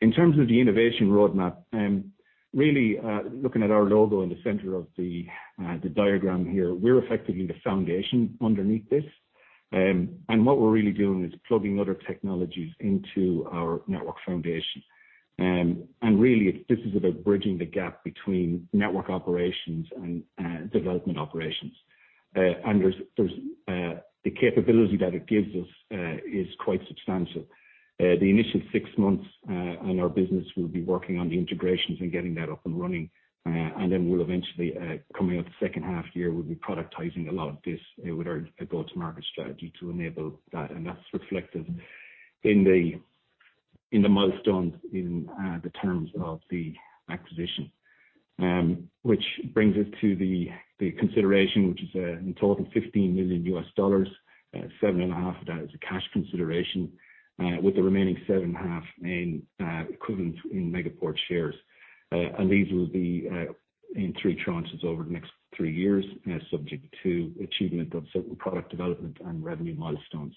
In terms of the innovation roadmap, really looking at our logo in the center of the diagram here. We're effectively the foundation underneath this. What we're really doing is plugging other technologies into our network foundation. Really this is about bridging the gap between network operations and development operations. The capability that it gives us is quite substantial. The initial six months on our business, we'll be working on the integrations and getting that up and running. Then we'll eventually, coming out the second half year, we'll be productizing a lot of this with our go-to-market strategy to enable that. That's reflected in the milestones in the terms of the acquisition. Which brings us to the consideration, which is in total $15 million. Seven and a half of that is a cash consideration, with the remaining seven and a half in equivalent in Megaport shares. These will be in three tranches over the next three years, subject to achievement of certain product development and revenue milestones.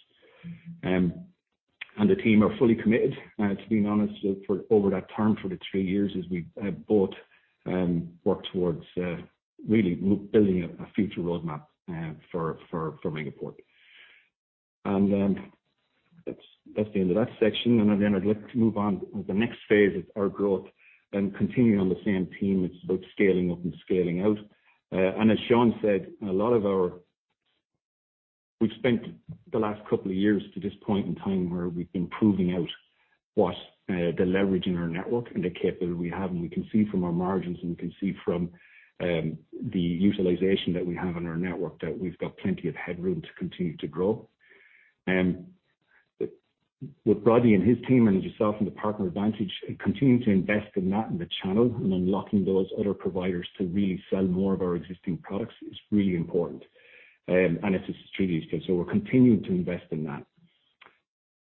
The team are fully committed, to being honest, over that term for the three years as we both work towards really building a future roadmap for Megaport. That's the end of that section. I'd like to move on. The next phase of our growth and continuing on the same team, it's about scaling up and scaling out. As Sean said, we've spent the last couple of years to this point in time where we've been proving out what the leverage in our network and the capability we have. We can see from our margins, and we can see from the utilization that we have on our network, that we've got plenty of headroom to continue to grow. With Rodney and his team and yourself in the PartnerVantage, continuing to invest in that, in the channel, and unlocking those other providers to really sell more of our existing products is really important. It's a strategic fit. We're continuing to invest in that.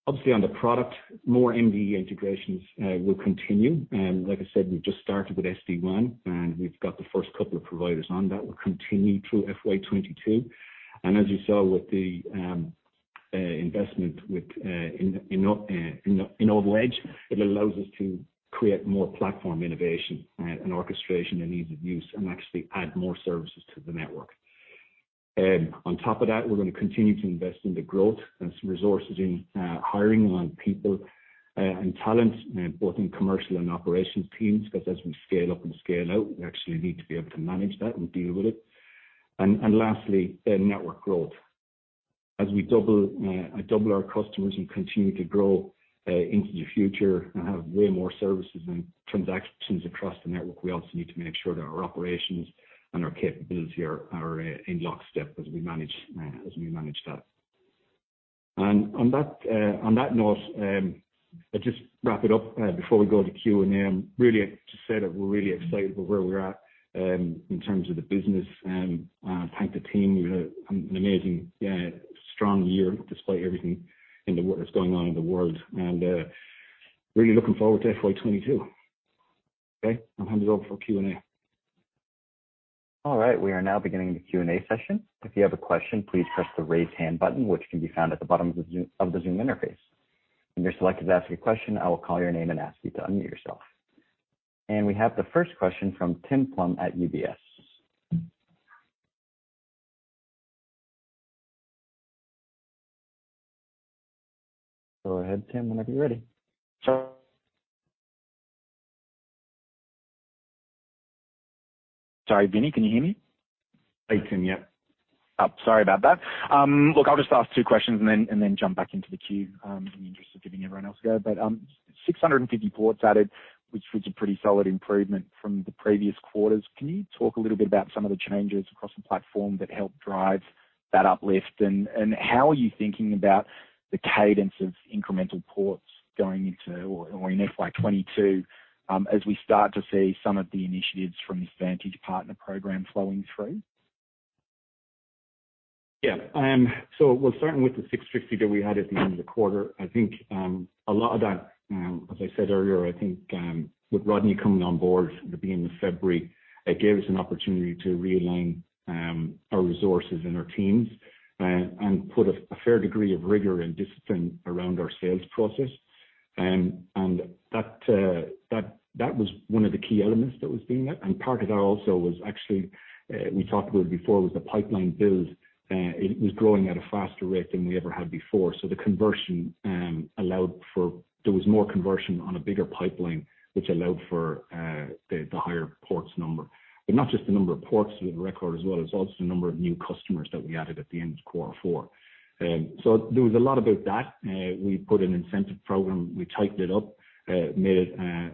Obviously on the product, more MVE integrations will continue. Like I said, we've just started with SD-WAN, and we've got the first couple of providers on that will continue through FY 2022. As you saw with the investment with InnovoEdge, it allows us to create more platform innovation and orchestration and ease of use and actually add more services to the network. On top of that, we're going to continue to invest in the growth and some resources in hiring on people and talent, both in commercial and operations teams, because as we scale up and scale out, we actually need to be able to manage that and deal with it. Lastly, network growth. As we double our customers and continue to grow into the future and have way more services and transactions across the network, we also need to make sure that our operations and our capabilities are in lockstep as we manage that. On that note, I'll just wrap it up before we go to Q&A. Really just say that we're really excited with where we're at in terms of the business, and thank the team. We've had an amazing strong year despite everything that's going on in the world, and really looking forward to FY 2022. Okay. I'll hand it over for Q&A. All right. We are now beginning the Q&A session. If you have a question, please press the raise hand button, which can be found at the bottom of the Zoom interface. When you're selected to ask your question, I will call your name and ask you to unmute yourself. We have the first question from Tim Plumbe at UBS. Go ahead, Tim, whenever you're ready. Sorry, Vinny, can you hear me? Hey, Tim. Yeah. Sorry about that. Look, I'll just ask two questions and then jump back into the queue, in the interest of giving everyone else a go. 650 ports added, which was a pretty solid improvement from the previous quarters. Can you talk a little bit about some of the changes across the platform that helped drive that uplift? How are you thinking about the cadence of incremental ports going into or in FY 2022, as we start to see some of the initiatives from the PartnerVantage program flowing through? Well starting with the 650 that we had at the end of the quarter, I think a lot of that, as I said earlier, I think with Rodney coming on board at the beginning of February, it gave us an opportunity to realign our resources and our teams and put a fair degree of rigor and discipline around our sales process. That was one of the key elements that was being met. Part of that also was actually, we talked about it before, was the pipeline build. It was growing at a faster rate than we ever had before. There was more conversion on a bigger pipeline, which allowed for the higher ports number. Not just the number of ports with record as well, it's also the number of new customers that we added at the end of quarter four. There was a lot about that. We put an incentive program. We tightened it up, made it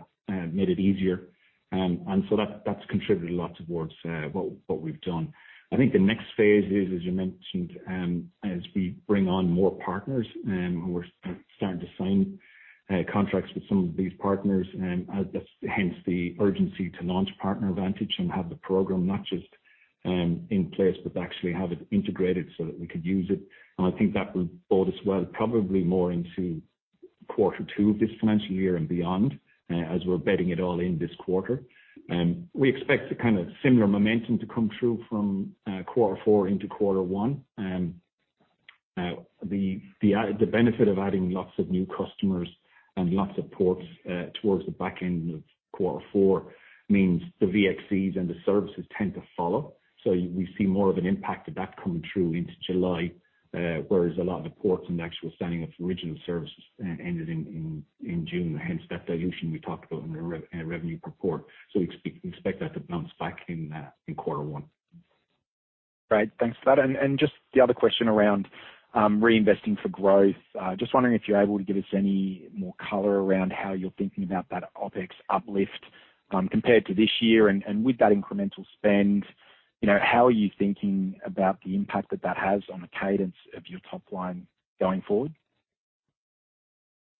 easier. That's contributed a lot towards what we've done. I think the next phase is, as you mentioned, as we bring on more partners, and we're starting to sign contracts with some of these partners, hence the urgency to launch PartnerVantage and have the program not just in place, but actually have it integrated so that we could use it. I think that will bode us well, probably more into quarter two of this financial year and beyond, as we're bedding it all in this quarter. We expect a kind of similar momentum to come through from quarter four into quarter one. The benefit of adding lots of new customers and lots of ports towards the back end of quarter four means the VXCs and the services tend to follow. We see more of an impact of that coming through into July, whereas a lot of the ports and the actual standing of original services ended in June, hence that dilution we talked about in our revenue per port. We expect that to bounce back in quarter one. Great. Thanks for that. Just the other question around reinvesting for growth. Just wondering if you're able to give us any more color around how you're thinking about that OpEx uplift, compared to this year. With that incremental spend, how are you thinking about the impact that that has on the cadence of your top line going forward?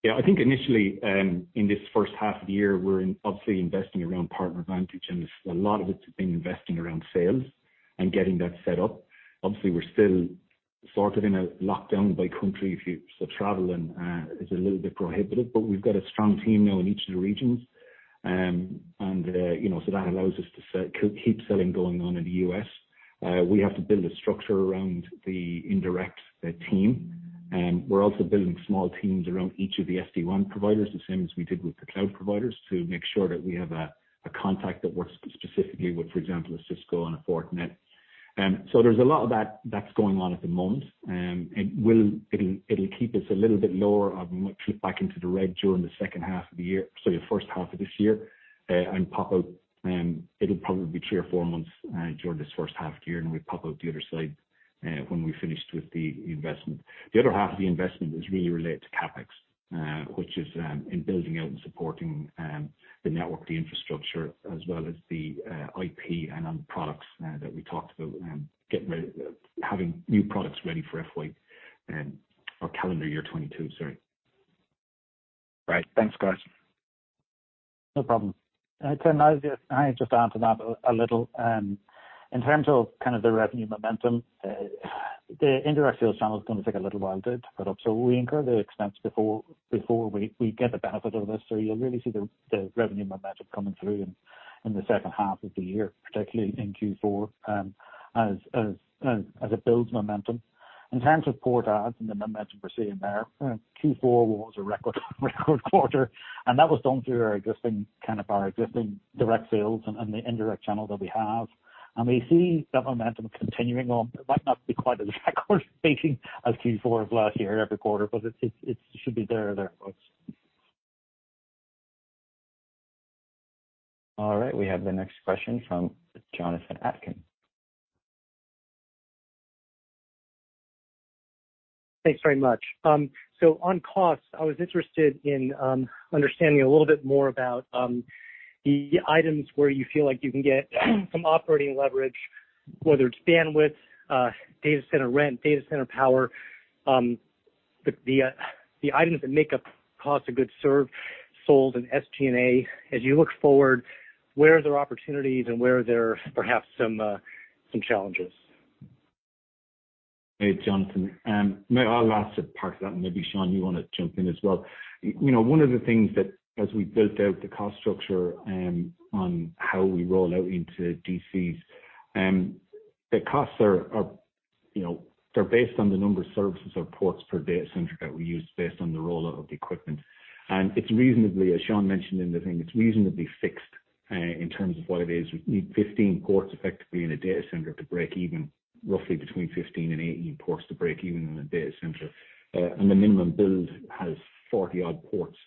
Yeah, I think initially, in this first half of the year, we're obviously investing around PartnerVantage, and a lot of it's been investing around sales and getting that set up. We're still sort of in a lockdown by country. Traveling is a little bit prohibitive. We've got a strong team now in each of the regions. That allows us to keep selling going on in the U.S. We have to build a structure around the indirect team. We're also building small teams around each of the SD-WAN providers, the same as we did with the cloud providers, to make sure that we have a contact that works specifically with, for example, a Cisco and a Fortinet. There's a lot of that that's going on at the moment. It'll keep us a little bit lower. We might flip back into the red during the first half of this year and pop out. It will probably be three or four months during this first half of the year, and we pop out the other side when we have finished with the investment. The other half of the investment is really related to CapEx, which is in building out and supporting the network, the infrastructure, as well as the IP and products that we talked about, having new products ready for FY or calendar year 2022, sorry. Great. Thanks, guys. No problem. Tim, I'll just add to that a little. In terms of kind of the revenue momentum, the indirect sales channel is going to take a little while to ramp up. We incur the expense before we get the benefit of this. You'll really see the revenue momentum coming through in the second half of the year, particularly in Q4, as it builds momentum. In terms of port adds and the momentum we're seeing there, Q4 was a record quarter, and that was done through our existing kind of our existing direct sales and the indirect channel that we have. We see that momentum continuing on. It might not be quite as record breaking as Q4 of last year every quarter, it should be there. All right. We have the next question from Jonathan Atkin. Thanks very much. On costs, I was interested in understanding a little bit more. The items where you feel like you can get some operating leverage, whether it's bandwidth, data center rent, data center power, the items that make up cost of goods sold and SG&A, as you look forward, where are there opportunities and where are there perhaps some challenges? Hey, Jonathan. I'll answer parts of that, and maybe Sean, you want to jump in as well. One of the things that as we built out the cost structure on how we roll out into DCs, the costs, they're based on the number of services or ports per data center that we use based on the rollout of the equipment. It's reasonably, as Sean mentioned in the thing, it's reasonably fixed in terms of what it is. We need 15 ports, effectively, in a data center to break even, roughly between 15 and 18 ports to break even in a data center. The minimum build has 40-odd ports.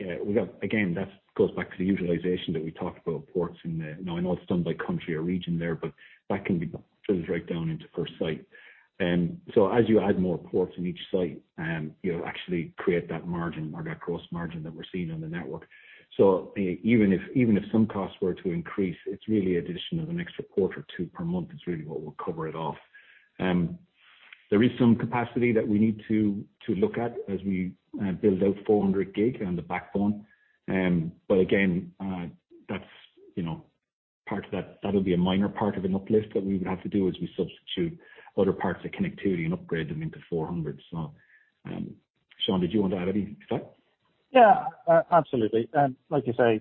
Again, that goes back to the utilization that we talked about ports in the network, I know it's done by country or region there, but that can be drilled right down into per site. As you add more ports in each site, you'll actually create that margin or that gross margin that we're seeing on the network. Even if some costs were to increase, it's really addition of an extra port or two per month is really what will cover it off. There is some capacity that we need to look at as we build out 400 GB on the backbone. Again, that'll be a minor part of an uplift that we would have to do as we substitute other parts of connectivity and upgrade them into 400 GB. Sean, did you want to add anything to that? Absolutely. Like you say,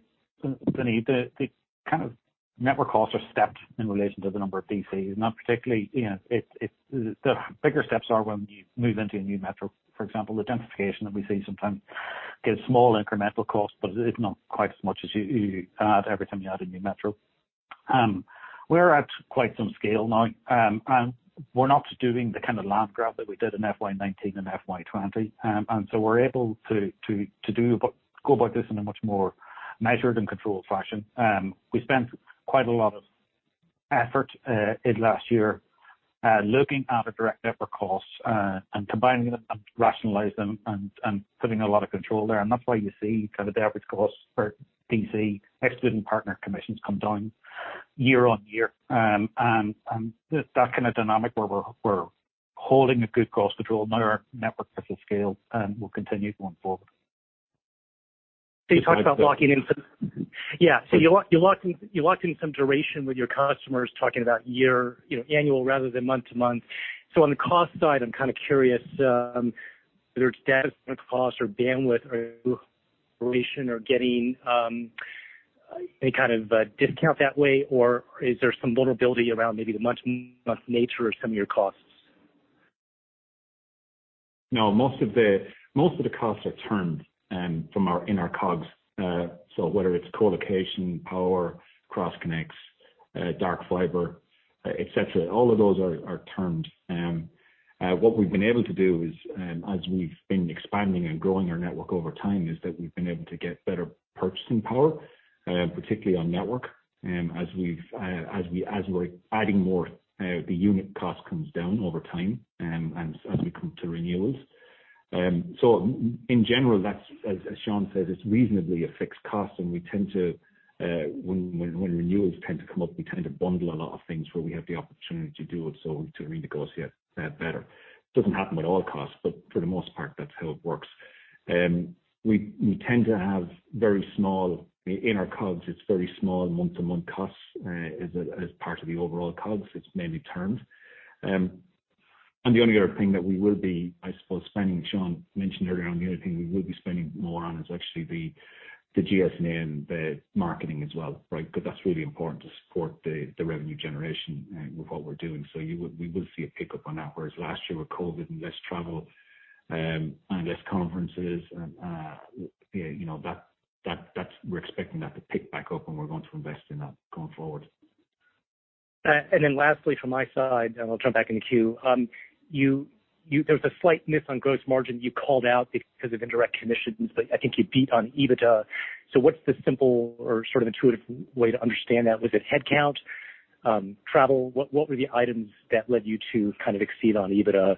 Vinny, the network costs are stepped in relation to the number of DCs. The bigger steps are when you move into a new metro, for example. The densification that we see sometimes gives small incremental cost, but it's not quite as much as you add every time you add a new metro. We're at quite some scale now. We're not doing the kind of land grab that we did in FY 2019 and FY 2020. We're able to go about this in a much more measured and controlled fashion. We spent quite a lot of effort and last year, looking at our direct network costs and combining them and rationalizing them and putting a lot of control there. That's why you see the average cost per DC, excluding partner commissions, come down year-on-year. That kind of dynamic where we're holding a good cost to grow in our network as a scale will continue going forward. You talked about locking in some duration with your customers talking about annual rather than month-to-month. On the cost side, I'm curious whether it's data center costs or bandwidth or duration or getting any kind of discount that way, or is there some vulnerability around maybe the month-to-month nature of some of your costs? No, most of the costs are termed in our COGS. Whether it's co-location, power, cross connects, dark fiber, et cetera, all of those are termed. What we've been able to do is, as we've been expanding and growing our network over time, is that we've been able to get better purchasing power, particularly on network. As we're adding more, the unit cost comes down over time and as we come to renewals. In general, as Sean said, it's reasonably a fixed cost, and when renewals tend to come up, we tend to bundle a lot of things where we have the opportunity to do it, so to renegotiate that better. It doesn't happen with all costs, but for the most part, that's how it works. We tend to have very small, in our COGS, it's very small month-to-month costs as part of the overall COGS. It's mainly termed. The only other thing that we will be, I suppose, spending, Sean mentioned earlier on, the only thing we will be spending more on is actually the GS and the marketing as well, right? That's really important to support the revenue generation with what we're doing. We will see a pickup on that, whereas last year with COVID and less travel and less conferences, we're expecting that to pick back up and we're going to invest in that going forward. Lastly from my side, and I'll jump back in the queue. There was a slight miss on gross margin you called out because of indirect commissions, but I think you beat on EBITDA. What's the simple or sort of intuitive way to understand that? Was it head count? Travel? What were the items that led you to kind of exceed on EBITDA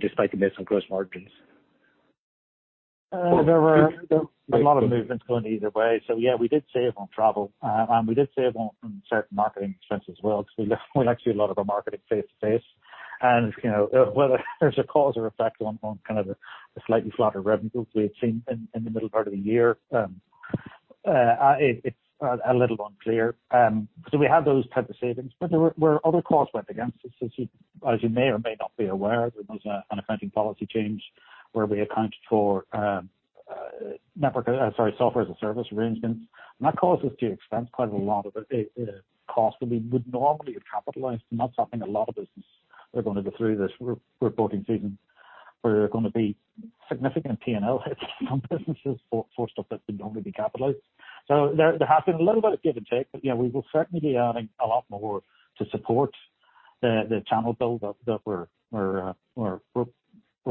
despite the miss on gross margins? There were a lot of movements going either way. Yeah, we did save on travel. We did save on certain marketing expenses as well because we actually a lot of our marketing face-to-face. Whether there's a cause or effect on kind of the slightly flatter revenues we had seen in the middle part of the year, it's a little unclear. We have those types of savings, but there were other costs went against us. As you may or may not be aware, there was an accounting policy change where we accounted for Software as a Service arrangements. That caused us to expense quite a lot of cost that we would normally have capitalized. That's something a lot of businesses are going to go through this reporting season, where there are going to be significant P&L hits on businesses for stuff that would normally be capitalized. There has been a little bit of give and take, but yeah, we will certainly be adding a lot more to support the channel build-up that we're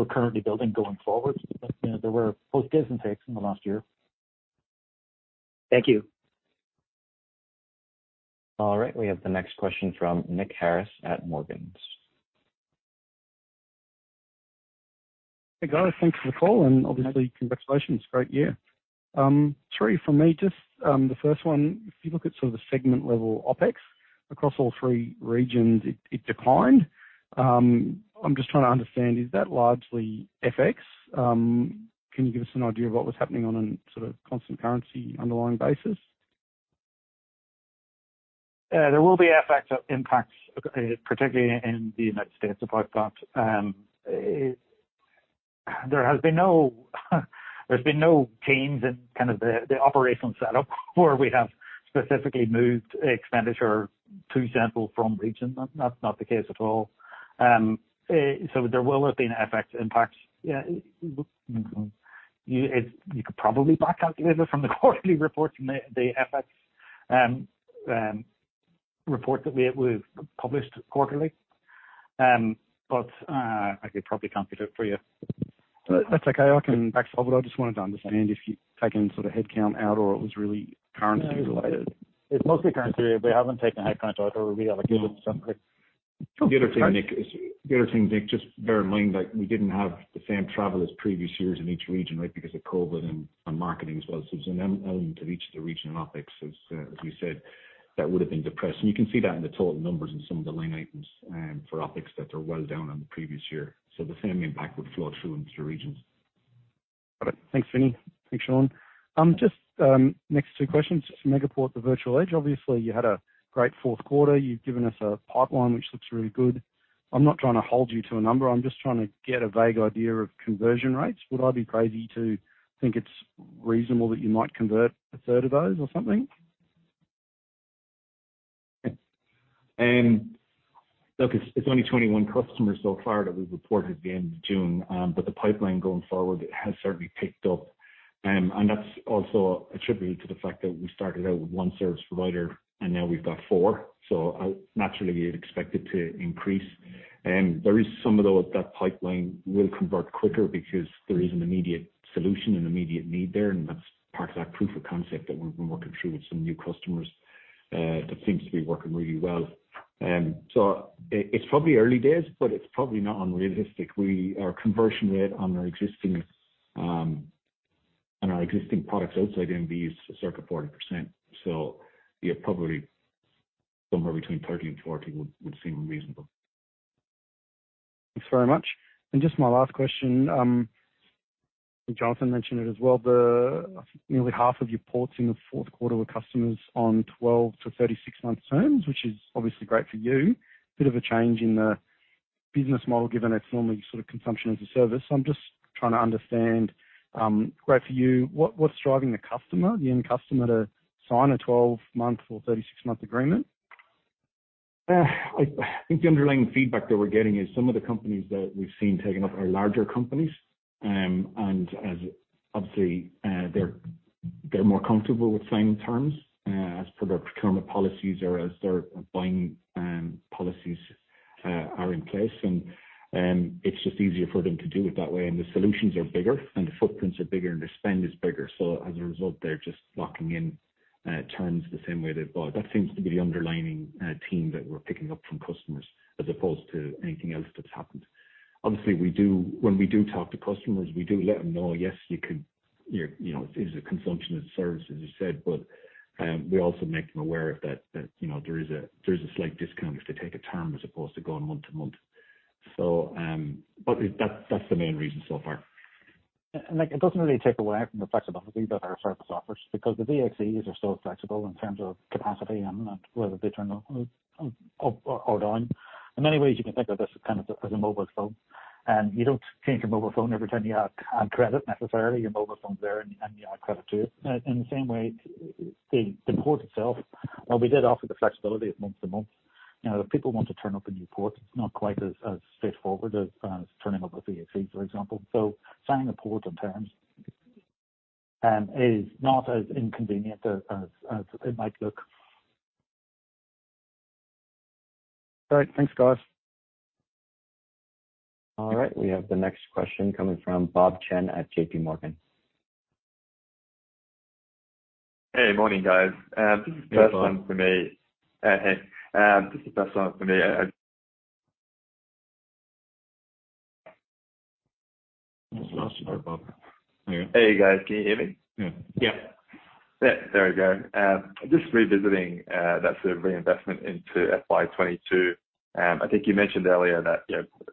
currently building going forward. There were both gives and takes in the last year. Thank you. All right. We have the next question from Nick Harris at Morgans. Hey, guys. Thanks for the call, and obviously congratulations. Great year. Three for me. The first one, if you look at sort of the segment level OpEx across all three regions, it declined. Is that largely FX? Can you give us an idea of what was happening on a sort of constant currency underlying basis? There will be FX impacts, particularly in the United States of that. There's been no changes in kind of the operational setup where we have specifically moved expenditure to sample from region. That's not the case at all. There will have been FX impacts. You could probably back calculate it from the quarterly reports and the FX report that we've published quarterly. I could probably calculate it for you. That's okay. I can back solve it. I just wanted to understand if you've taken sort of headcount out or it was really currency related. It's mostly currency related. We haven't taken headcount out or reallocated significantly. The other thing, Nick, just bear in mind that we didn't have the same travel as previous years in each region, right? Because of COVID and marketing as well. There's an element of each of the regional OpEx as you said, that would've been depressed. You can see that in the total numbers in some of the line items for OpEx that are well down on the previous year. The same impact would flow through into the regions. Got it. Thanks, Vinny. Thanks, Sean. Just next two questions. Megaport, the Virtual Edge, obviously, you had a great fourth quarter. You've given us a pipeline, which looks really good. I'm not trying to hold you to a number. I'm just trying to get a vague idea of conversion rates. Would I be crazy to think it's reasonable that you might convert a third of those or something? Look, it's only 21 customers so far that we've reported at the end of June. The pipeline going forward has certainly picked up. That's also attributed to the fact that we started out with one service provider, and now we've got four. Naturally, you'd expect it to increase. There is some of that pipeline will convert quicker because there is an immediate solution and immediate need there, and that's part of that proof of concept that we've been working through with some new customers that seems to be working really well. It's probably early days, but it's probably not unrealistic. Our conversion rate on our existing products outside MVE is circa 40%. Yeah, probably somewhere between 30% and 40% would seem reasonable. Thanks very much. Just my last question, Jonathan mentioned it as well, nearly half of your ports in the fourth quarter were customers on 12 to 36-month terms, which is obviously great for you. Bit of a change in the business model given it's normally sort of consumption as a service. I'm just trying to understand, great for you, what's driving the customer, the end customer, to sign a 12-month or 36-month agreement? I think the underlying feedback that we're getting is some of the companies that we've seen taking up are larger companies. As obviously, they're more comfortable with signing terms as per their procurement policies or as their buying policies are in place. It's just easier for them to do it that way. The solutions are bigger and the footprints are bigger and the spend is bigger. As a result, they're just locking in terms the same way they buy. That seems to be the underlying theme that we're picking up from customers as opposed to anything else that's happened. Obviously, when we do talk to customers, we do let them know, yes, it is a consumption of service as you said. We also make them aware that there is a slight discount if they take a term as opposed to going month-to-month. That's the main reason so far. It doesn't really take away from the flexibility that our service offers because the VXCs are still flexible in terms of capacity and whether they turn up or on. In many ways, you can think of this as kind of as a mobile phone. You don't change your mobile phone every time you add credit necessarily. Your mobile phone's there and you add credit to it. The same way, the port itself, while we did offer the flexibility of month-to-month, if people want to turn up a new port, it's not quite as straightforward as turning up a VXC, for example. Signing the port on terms is not as inconvenient as it might look. All right. Thanks, guys. All right. We have the next question coming from Bob Chen at JPMorgan. Hey, morning, guys. This is the first one for me. Hey. This is the first one for me. Sorry about that. Hey, guys. Can you hear me? Yeah. Yeah. There we go. Just revisiting that sort of reinvestment into FY 2022. I think you mentioned earlier that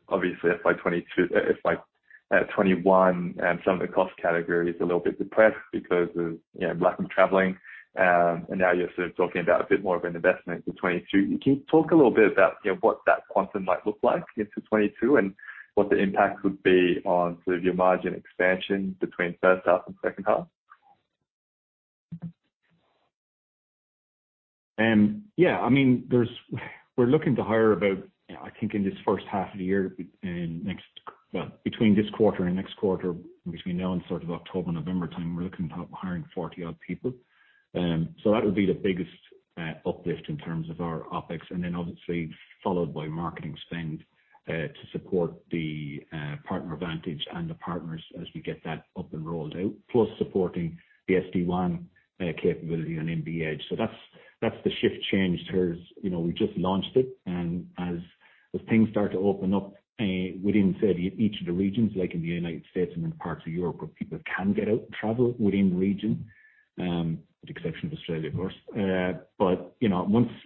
obviously FY 2021, some of the cost category is a little bit depressed because of lack of traveling. Now you're sort of talking about a bit more of an investment for 2022. Can you talk a little bit about what that quantum might look like into 2022 and what the impact would be on sort of your margin expansion between first half and second half? Yeah. We're looking to hire about, I think in this first half of the year. Well, between this quarter and next quarter, between now and sort of October, November time, we're looking at hiring 40-odd people. That would be the biggest uplift in terms of our OpEx. Then obviously followed by marketing spend to support the PartnerVantage and the partners as we get that up and rolled out, plus supporting the SD-WAN capability and MV Edge. That's the shift change. We just launched it, and as things start to open up within each of the regions, like in the United States and in parts of Europe where people can get out and travel within region, with the exception of Australia, of course.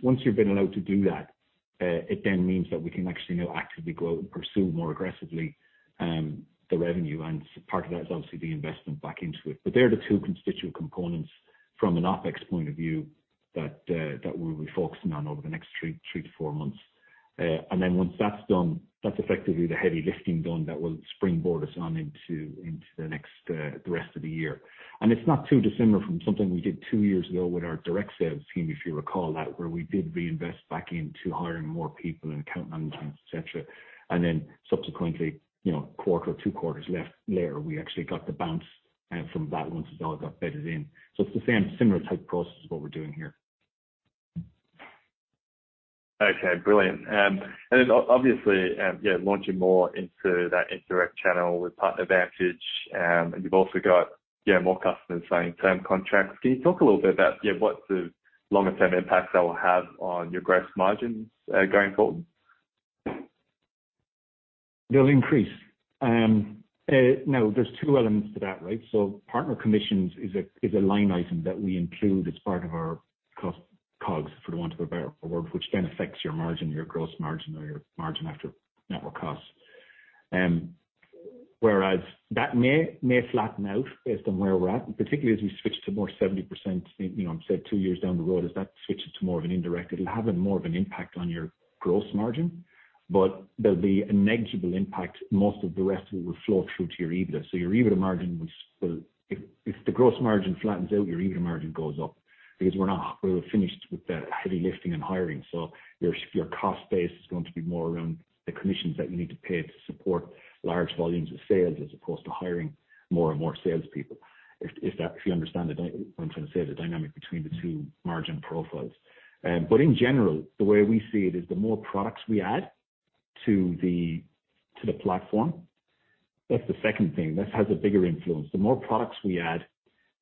Once you've been allowed to do that, it then means that we can actually now actively go out and pursue more aggressively the revenue. Part of that is obviously the investment back into it. They're the two constituent components from an OpEx point of view that we'll be focusing on over the next three to four months. Once that's done, that's effectively the heavy lifting done that will springboard us on into the rest of the year. It's not too dissimilar from something we did two years ago with our direct sales team, if you recall that, where we did reinvest back into hiring more people and account management, et cetera. Subsequently, a quarter or two quarters later, we actually got the bounce from that once it all got bedded in. It's the same similar type process as what we're doing here. Okay, brilliant. Obviously, launching more into that indirect channel with PartnerVantage. You've also got more customers signing term contracts. Can you talk a little bit about what the longer-term impact that will have on your gross margins going forward? They'll increase. There's two elements to that, right. Partner commissions is a line item that we include as part of our cost COGS, for want of a better word, which then affects your margin, your gross margin, or your margin after network costs. That may flatten out based on where we're at, and particularly as we switch to more 70%, I said two years down the road, as that switches to more of an indirect, it'll have more of an impact on your gross margin. There'll be a negligible impact. Most of the rest will flow through to your EBITDA. If the gross margin flattens out, your EBITDA margin goes up because we're finished with the heavy lifting and hiring. Your cost base is going to be more around the commissions that you need to pay to support large volumes of sales as opposed to hiring more and more salespeople, if you understand what I'm trying to say, the dynamic between the two margin profiles. In general, the way we see it is the more products we add to the platform, that's the second thing. This has a bigger influence. The more products we add,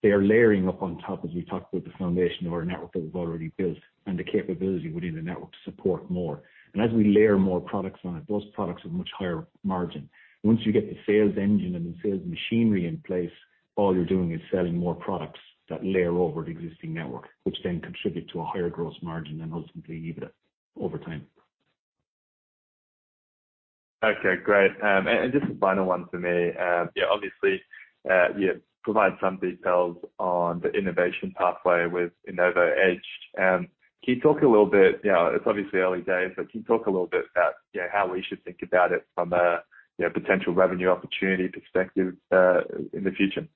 they are layering up on top as we talked about the foundation or network that we've already built and the capability within the network to support more. As we layer more products on it, those products have much higher margin. Once you get the sales engine and the sales machinery in place, all you're doing is selling more products that layer over the existing network, which then contribute to a higher gross margin and ultimately EBITDA over time. Okay, great. Just the final one for me. Obviously, you provide some details on the innovation pathway with InnovoEdge. It's obviously early days, but can you talk a little bit about how we should think about it from a potential revenue opportunity perspective in the future?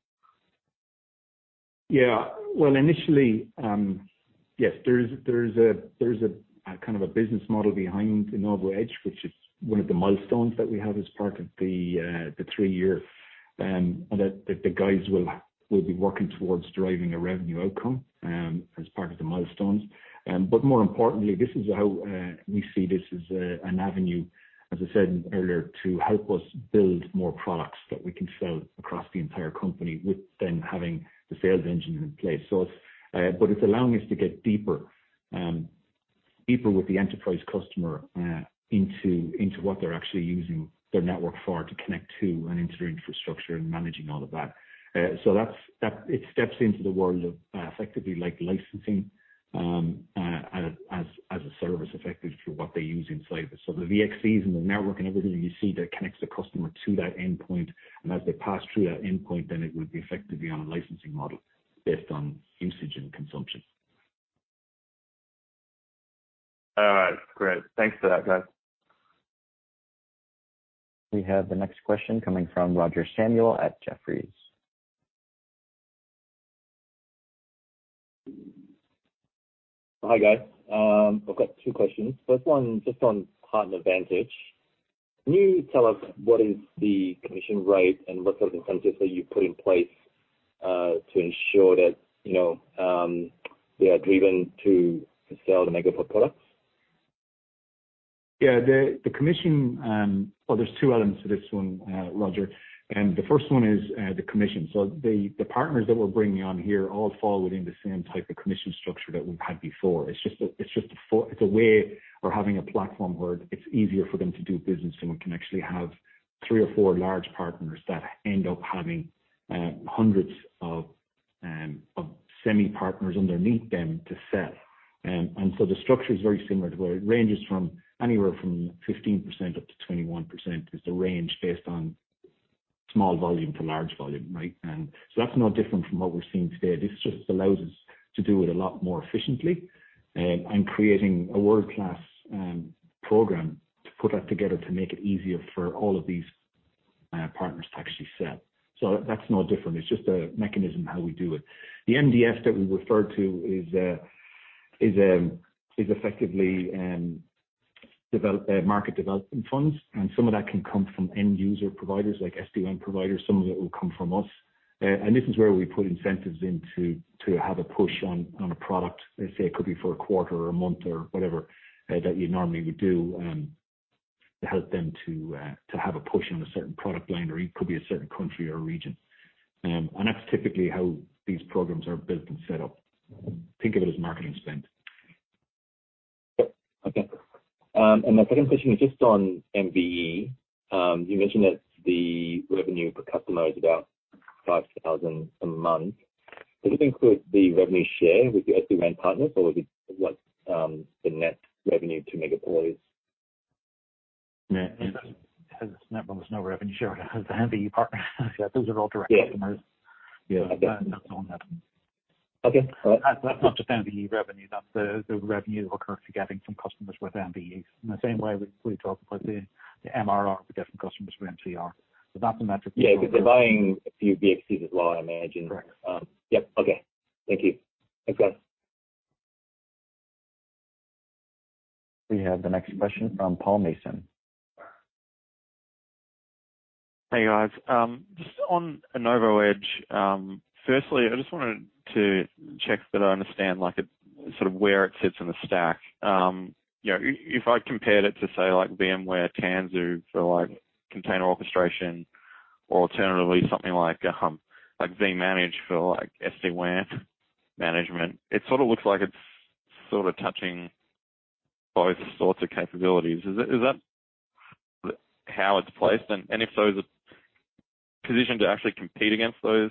Yeah. Well, initially, yes. There's a kind of a business model behind InnovoEdge, which is one of the milestones that we have as part of the three-year, that the guys will be working towards driving a revenue outcome as part of the milestones. More importantly, this is how we see this as an avenue, as I said earlier, to help us build more products that we can sell across the entire company with then having the sales engine in place. It's allowing us to get deeper with the enterprise customer into what they're actually using their network for to connect to and into their infrastructure and managing all of that. It steps into the world of effectively like licensing as a service effective for what they use inside this. The VXCs and the network and everything you see that connects the customer to that endpoint, and as they pass through that endpoint, then it would be effectively on a licensing model based on usage and consumption. All right, great. Thanks for that, guys. We have the next question coming from Roger Samuel at Jefferies. Hi guys. I've got two questions. First one just on PartnerVantage. Can you tell us what is the commission rate and what sort of incentives have you put in place to ensure that they are driven to sell the Megaport products? Yeah. There's two elements to this one, Roger. The first one is the commission. The partners that we're bringing on here all fall within the same type of commission structure that we've had before. It's a way of having a platform where it's easier for them to do business, and we can actually have three or four large partners that end up having hundreds of semi-partners underneath them to sell. The structure is very similar to where it ranges from anywhere from 15% up to 21%, is the range based on small volume to large volume. Right? That's no different from what we're seeing today. This just allows us to do it a lot more efficiently and creating a world-class program to put that together to make it easier for all of these partners to actually sell. That's no different. It's just a mechanism how we do it. The MDF that we referred to is effectively market development funds. Some of that can come from end-user providers like SD-WAN providers. Some of it will come from us. This is where we put incentives in to have a push on a product. Let's say it could be for a quarter or a month or whatever that you normally would do. To help them to have a push on a certain product line, or it could be a certain country or region. That's typically how these programs are built and set up. Think of it as marketing spend. Okay. My second question is just on MVE. You mentioned that the revenue per customer is about 5,000 a month. Does this include the revenue share with your SD-WAN partners? What's the net revenue to Megaport? Yeah. There's no revenue share with the MVE partner. Those are all direct customers. Yeah. That's the one that. Okay, all right. That's not just MVE revenue, that's the revenue that we're currently getting from customers with MVEs. In the same way we talk about the MRR for different customers for MCR. That's the metric. Yeah. Because they're buying a few VXC as well, I imagine. Correct. Yep. Okay. Thank you. Thanks, guys. We have the next question from Paul Mason. Hey, guys. Just on InnovoEdge. Firstly, I just wanted to check that I understand sort of where it sits in the stack. If I compared it to, say, VMware Tanzu for container orchestration or alternatively something like vManage for SD-WAN management. It sort of looks like it's touching both sorts of capabilities. Is that how it's placed and if so, is it positioned to actually compete against those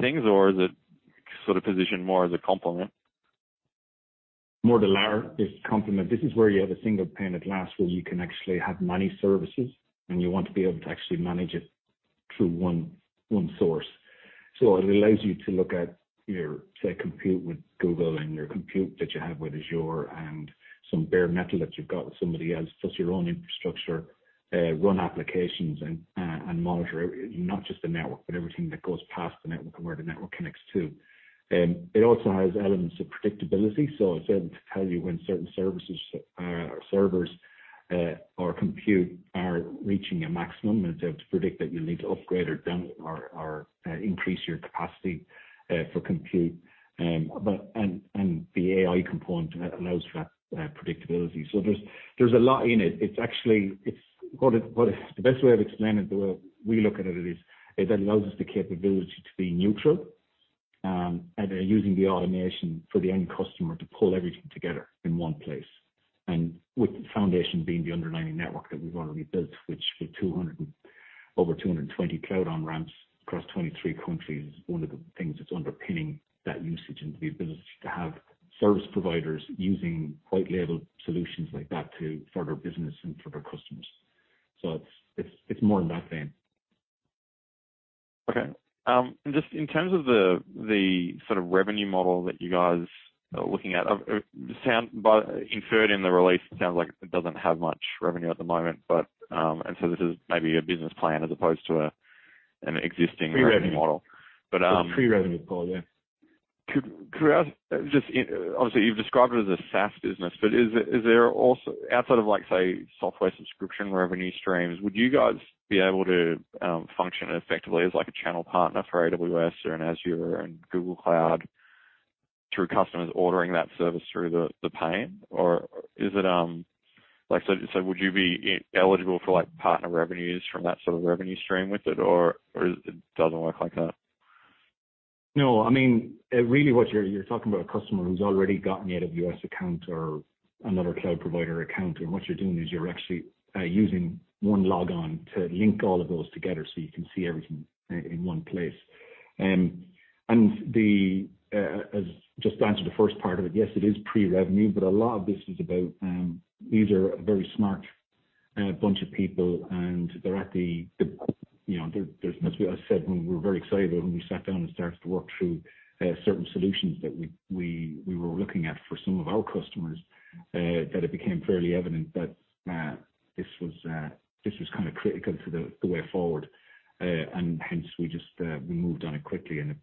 things, or is it sort of positioned more as a complement? More the latter. It's complement. This is where you have a single pane of glass where you can actually have many services, and you want to be able to actually manage it through one source. It allows you to look at your, say, compute with Google and your compute that you have with Azure and some bare metal that you've got with somebody else, plus your own infrastructure. Run applications and monitor not just the network, but everything that goes past the network and where the network connects to. It also has elements of predictability. It's able to tell you when certain services, or servers, or compute are reaching a maximum. It's able to predict that you'll need to upgrade or increase your capacity for compute. The AI component allows for that predictability. There's a lot in it. The best way I've explained it, the way we look at it is it allows us the capability to be neutral. Using the automation for the end customer to pull everything together in one place. With the foundation being the underlying network that we've already built, which with over 220 cloud on-ramps across 23 countries, is one of the things that's underpinning that usage and the ability to have service providers using white label solutions like that for their business and for their customers. It's more in that vein. Okay. Just in terms of the sort of revenue model that you guys are looking at. Inferred in the release, it sounds like it doesn't have much revenue at the moment. This is maybe a business plan as opposed to pre-revenue model. It's pre-revenue, Paul, yeah. You've described it as a SaaS business, but outside of, say, software subscription revenue streams, would you guys be able to function effectively as a channel partner for AWS or an Azure and Google Cloud through customers ordering that service through the pane? Would you be eligible for partner revenues from that sort of revenue stream with it, or it doesn't work like that? Really what you're talking about a customer who's already got an AWS account or another cloud provider account. What you're doing is you're actually using one login to link all of those together so you can see everything in one place. Just to answer the first part of it, yes, it is pre-revenue, a lot of this is about these are a very smart bunch of people, as I said, we were very excited when we sat down and started to work through certain solutions that we were looking at for some of our customers. It became fairly evident that this was kind of critical to the way forward. Hence we moved on it quickly and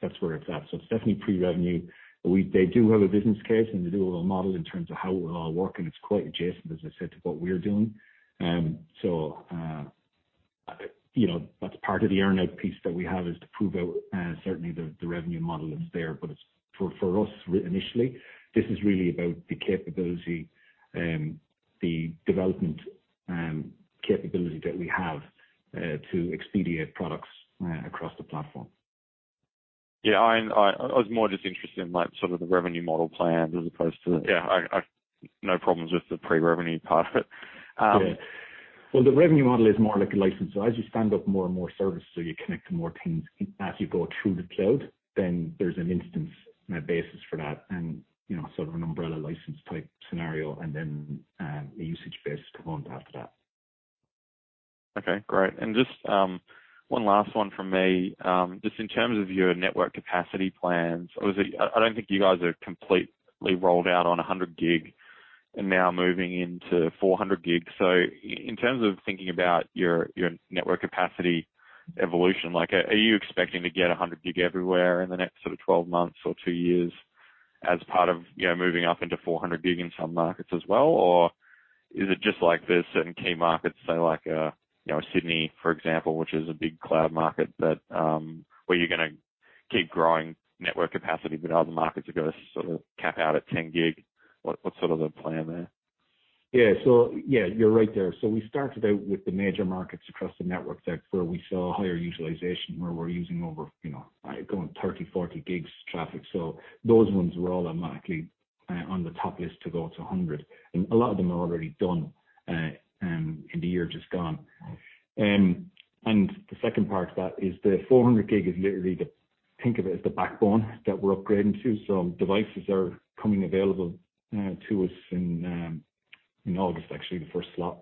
that's where it's at. It's definitely pre-revenue. They do have a business case, and they do have a model in terms of how it will all work, and it's quite adjacent, as I said, to what we're doing. That's part of the earn-out piece that we have is to prove out certainly the revenue model that's there. For us initially, this is really about the development capability that we have to expedite products across the platform. Yeah. I was more just interested in sort of the revenue model plans as opposed to. Yeah. I've no problems with the pre-revenue part of it. Yeah. Well, the revenue model is more like a license. As you stand up more and more services, so you connect to more things as you go through the cloud, then there's an instance basis for that and sort of an umbrella license type scenario, and then a usage-based component after that. Okay, great. Just one last one from me. Just in terms of your network capacity plans, I don't think you guys are completely rolled out on 100 GB and now moving into 400 GB. In terms of thinking about your network capacity evolution, are you expecting to get 100 GB everywhere in the next sort of 12 months or two years as part of moving up into 400 GB in some markets as well? Is it just there's certain key markets, say like Sydney, for example, which is a big cloud market, where you're going to keep growing network capacity, but other markets are going to sort of cap out at 10 GB. What's sort of the plan there? Yeah. You're right there. We started out with the major markets across the network where we saw higher utilization, where we're using over going 30, 40 GB traffic. Those ones were all automatically on the top list to go to 100 GB. A lot of them are already done in the year just gone. The second part to that is the 400 GB is literally think of it as the backbone that we're upgrading to. Devices are coming available to us in August, actually, the first slot.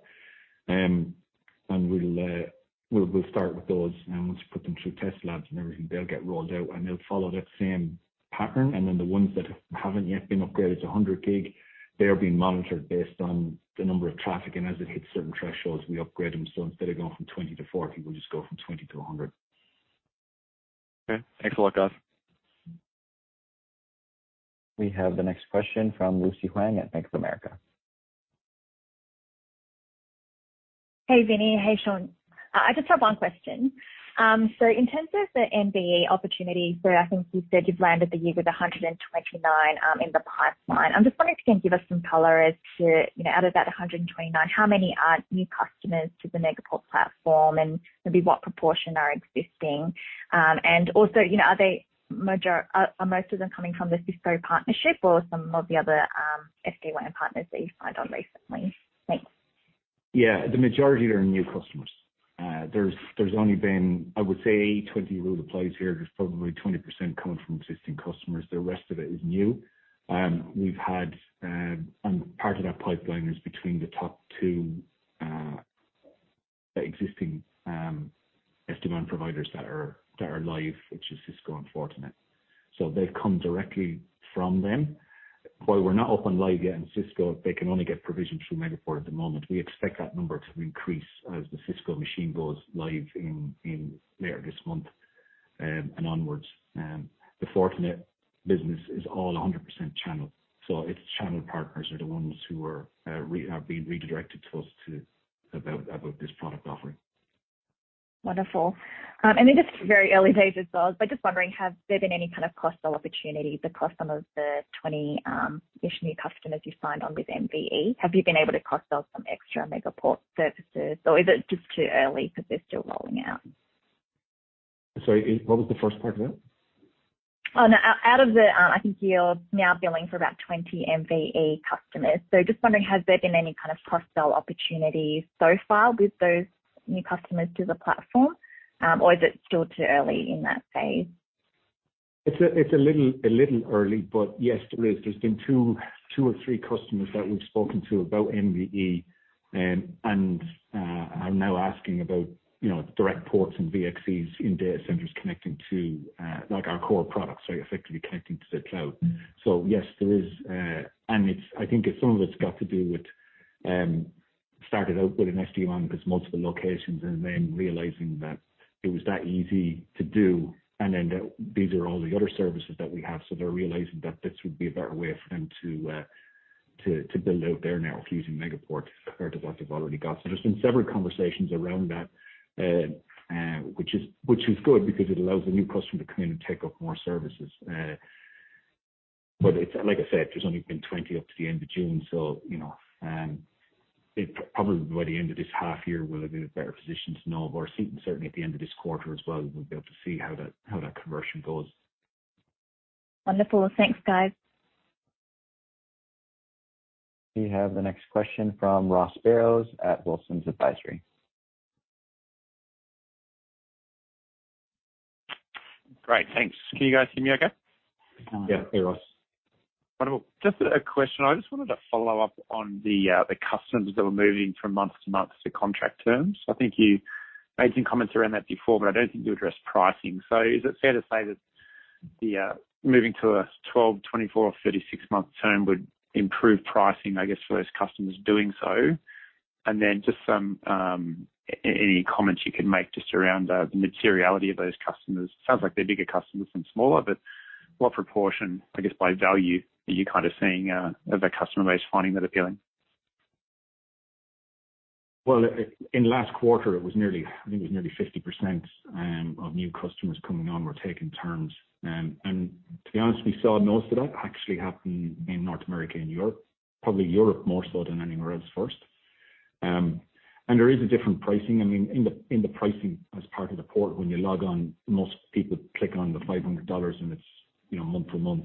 We'll start with those. Once we put them through test labs and everything, they'll get rolled out and they'll follow that same pattern. The ones that haven't yet been upgraded to 100 GB, they're being monitored based on the number of traffic. As it hits certain thresholds, we upgrade them. Instead of going from 20 GB to 40 GB, we'll just go from 20 GB to 100 GB. Okay. Thanks a lot, guys. We have the next question from Lucy Huang at Bank of America. Hey, Vinny. Hey, Sean. I just have one question. In terms of the MVE opportunity where I think you said you've landed the year with 129 in the pipeline, I'm just wondering if you can give us some color as to out of that 129, how many are new customers to the Megaport platform and maybe what proportion are existing? Are most of them coming from the Cisco partnership or some of the other SD-WAN partners that you signed on recently? Thanks. Yeah. The majority are new customers. There's only been, I would say, 20 rule applies here. There's probably 20% coming from existing customers. The rest of it is new. Part of that pipeline is between the top two existing SD-WAN providers that are live, which is Cisco and Fortinet. They've come directly from them. While we're not open live yet in Cisco, they can only get provision through Megaport at the moment. We expect that number to increase as the Cisco machine goes live later this month and onwards. The Fortinet business is all 100% channel. Its channel partners are the ones who are being redirected to us about this product offering. Wonderful. It is very early days as well, but just wondering, have there been any kind of cross-sell opportunities across some of the 20-ish new customers you signed on with MVE? Have you been able to cross-sell some extra Megaport services or is it just too early because they're still rolling out? Sorry, what was the first part of that? I think you're now billing for about 20 MVE customers. Just wondering, has there been any kind of cross-sell opportunities so far with those new customers to the platform? Is it still too early in that phase? It's a little early, but yes, there is. There's been two or three customers that we've spoken to about MVE and are now asking about direct ports and VXCs in data centers like our core products, effectively connecting to the cloud. Yes, there is. I think some of it's got to do with starting out with an SD-WAN because multiple locations, then realizing that it was that easy to do, then that these are all the other services that we have. They're realizing that this would be a better way for them to build out their network using Megaport or devices they've already got. There's been several conversations around that, which is good because it allows the new customer to come in and take up more services. Like I said, there's only been 20 up to the end of June, so probably by the end of this half year will I be in a better position to know or certainly at the end of this quarter as well, we'll be able to see how that conversion goes. Wonderful. Thanks, guys. We have the next question from Ross Barrows at Wilsons Advisory. Great. Thanks. Can you guys hear me okay? Yeah. Hey, Ross. Wonderful. Just a question. I just wanted to follow up on the customers that were moving from month-to-month to contract terms. I think you made some comments around that before, but I don't think you addressed pricing. Is it fair to say that moving to a 12, 24 or 36-month term would improve pricing, I guess, for those customers doing so? Just any comments you can make just around the materiality of those customers. Sounds like they're bigger customers than smaller, but what proportion, I guess, by value are you kind of seeing of that customer base finding that appealing? Well, in last quarter, I think it was nearly 50% of new customers coming on were taking terms. To be honest, we saw most of that actually happen in North America and Europe. Probably Europe more so than anywhere else first. There is a different pricing. In the pricing as part of the port, when you log on, most people click on the 500 dollars and it's month-to-month,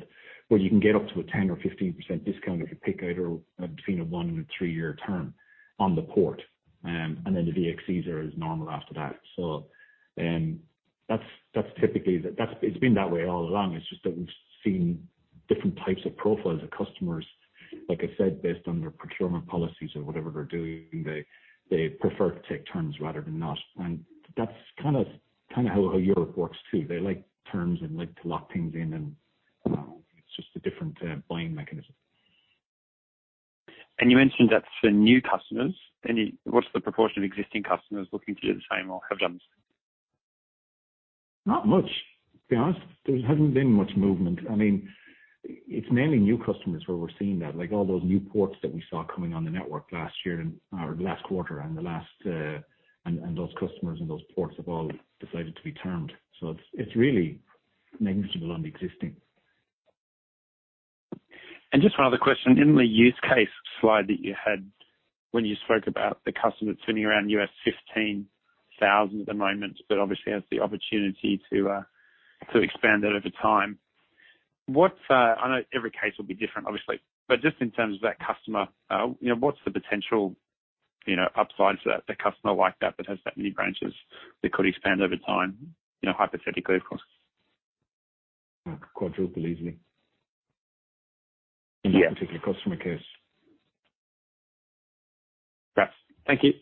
but you can get up to a 10%-15% discount if you pick either between a one and a three-year term on the port. Then the VXCs are as normal after that. It's been that way all along. It's just that we've seen different types of profiles of customers, like I said, based on their procurement policies or whatever they're doing, they prefer to take terms rather than not. That's kind of how Europe works, too. They like terms and like to lock things in and it's just a different buying mechanism. You mentioned that's for new customers. What's the proportion of existing customers looking to do the same or have done the same? Not much. To be honest, there hasn't been much movement. It's mainly new customers where we're seeing that. All those new ports that we saw coming on the network last quarter and those customers and those ports have all decided to be termed. It's really negligible on the existing. Just one other question. In the use case slide that you had when you spoke about the customer sitting around $15,000 at the moment, but obviously has the opportunity to expand that over time. I know every case will be different, obviously, but just in terms of that customer, what's the potential upside to a customer like that has that many branches that could expand over time, hypothetically, of course? Quadruple, easily. Yeah. In that particular customer case. Great. Thank you.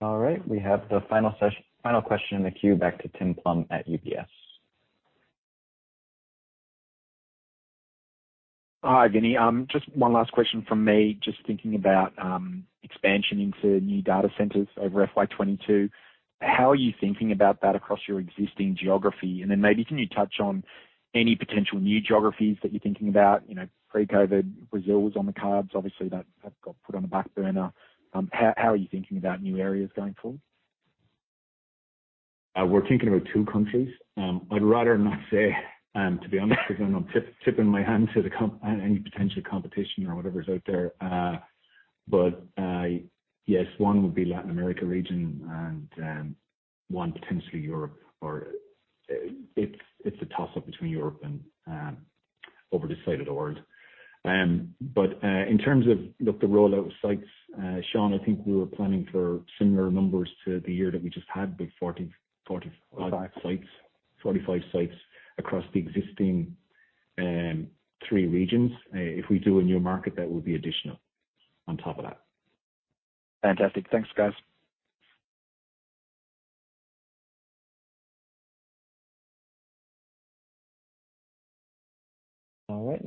All right. We have the final question in the queue. Back to Tim Plumbe at UBS. Hi, Vinny. Just one last question from me. Just thinking about expansion into new data centers over FY 2022. How are you thinking about that across your existing geography? Maybe can you touch on any potential new geographies that you're thinking about? Pre-COVID, Brazil was on the cards. Obviously, that got put on the back burner. How are you thinking about new areas going forward? We're thinking about two countries. I'd rather not say, to be honest with you. I'm tipping my hand to any potential competition or whatever's out there. Yes, one would be Latin America region and one potentially Europe. It's a toss-up between Europe and over this side of the world. In terms of the rollout of sites, Sean, I think we were planning for similar numbers to the year that we just had, the 45 sites across the existing three regions. If we do a new market, that would be additional on top of that. Fantastic. Thanks, guys.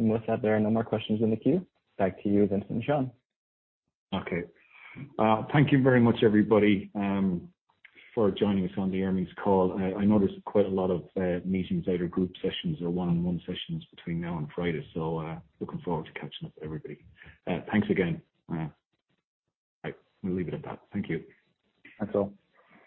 All right. With that, there are no more questions in the queue. Back to you, Vincent and Sean. Okay. Thank you very much, everybody, for joining us on the earnings call. I know there's quite a lot of meetings, either group sessions or one-on-one sessions between now and Friday. Looking forward to catching up with everybody. Thanks again. Right. We'll leave it at that. Thank you. That's all.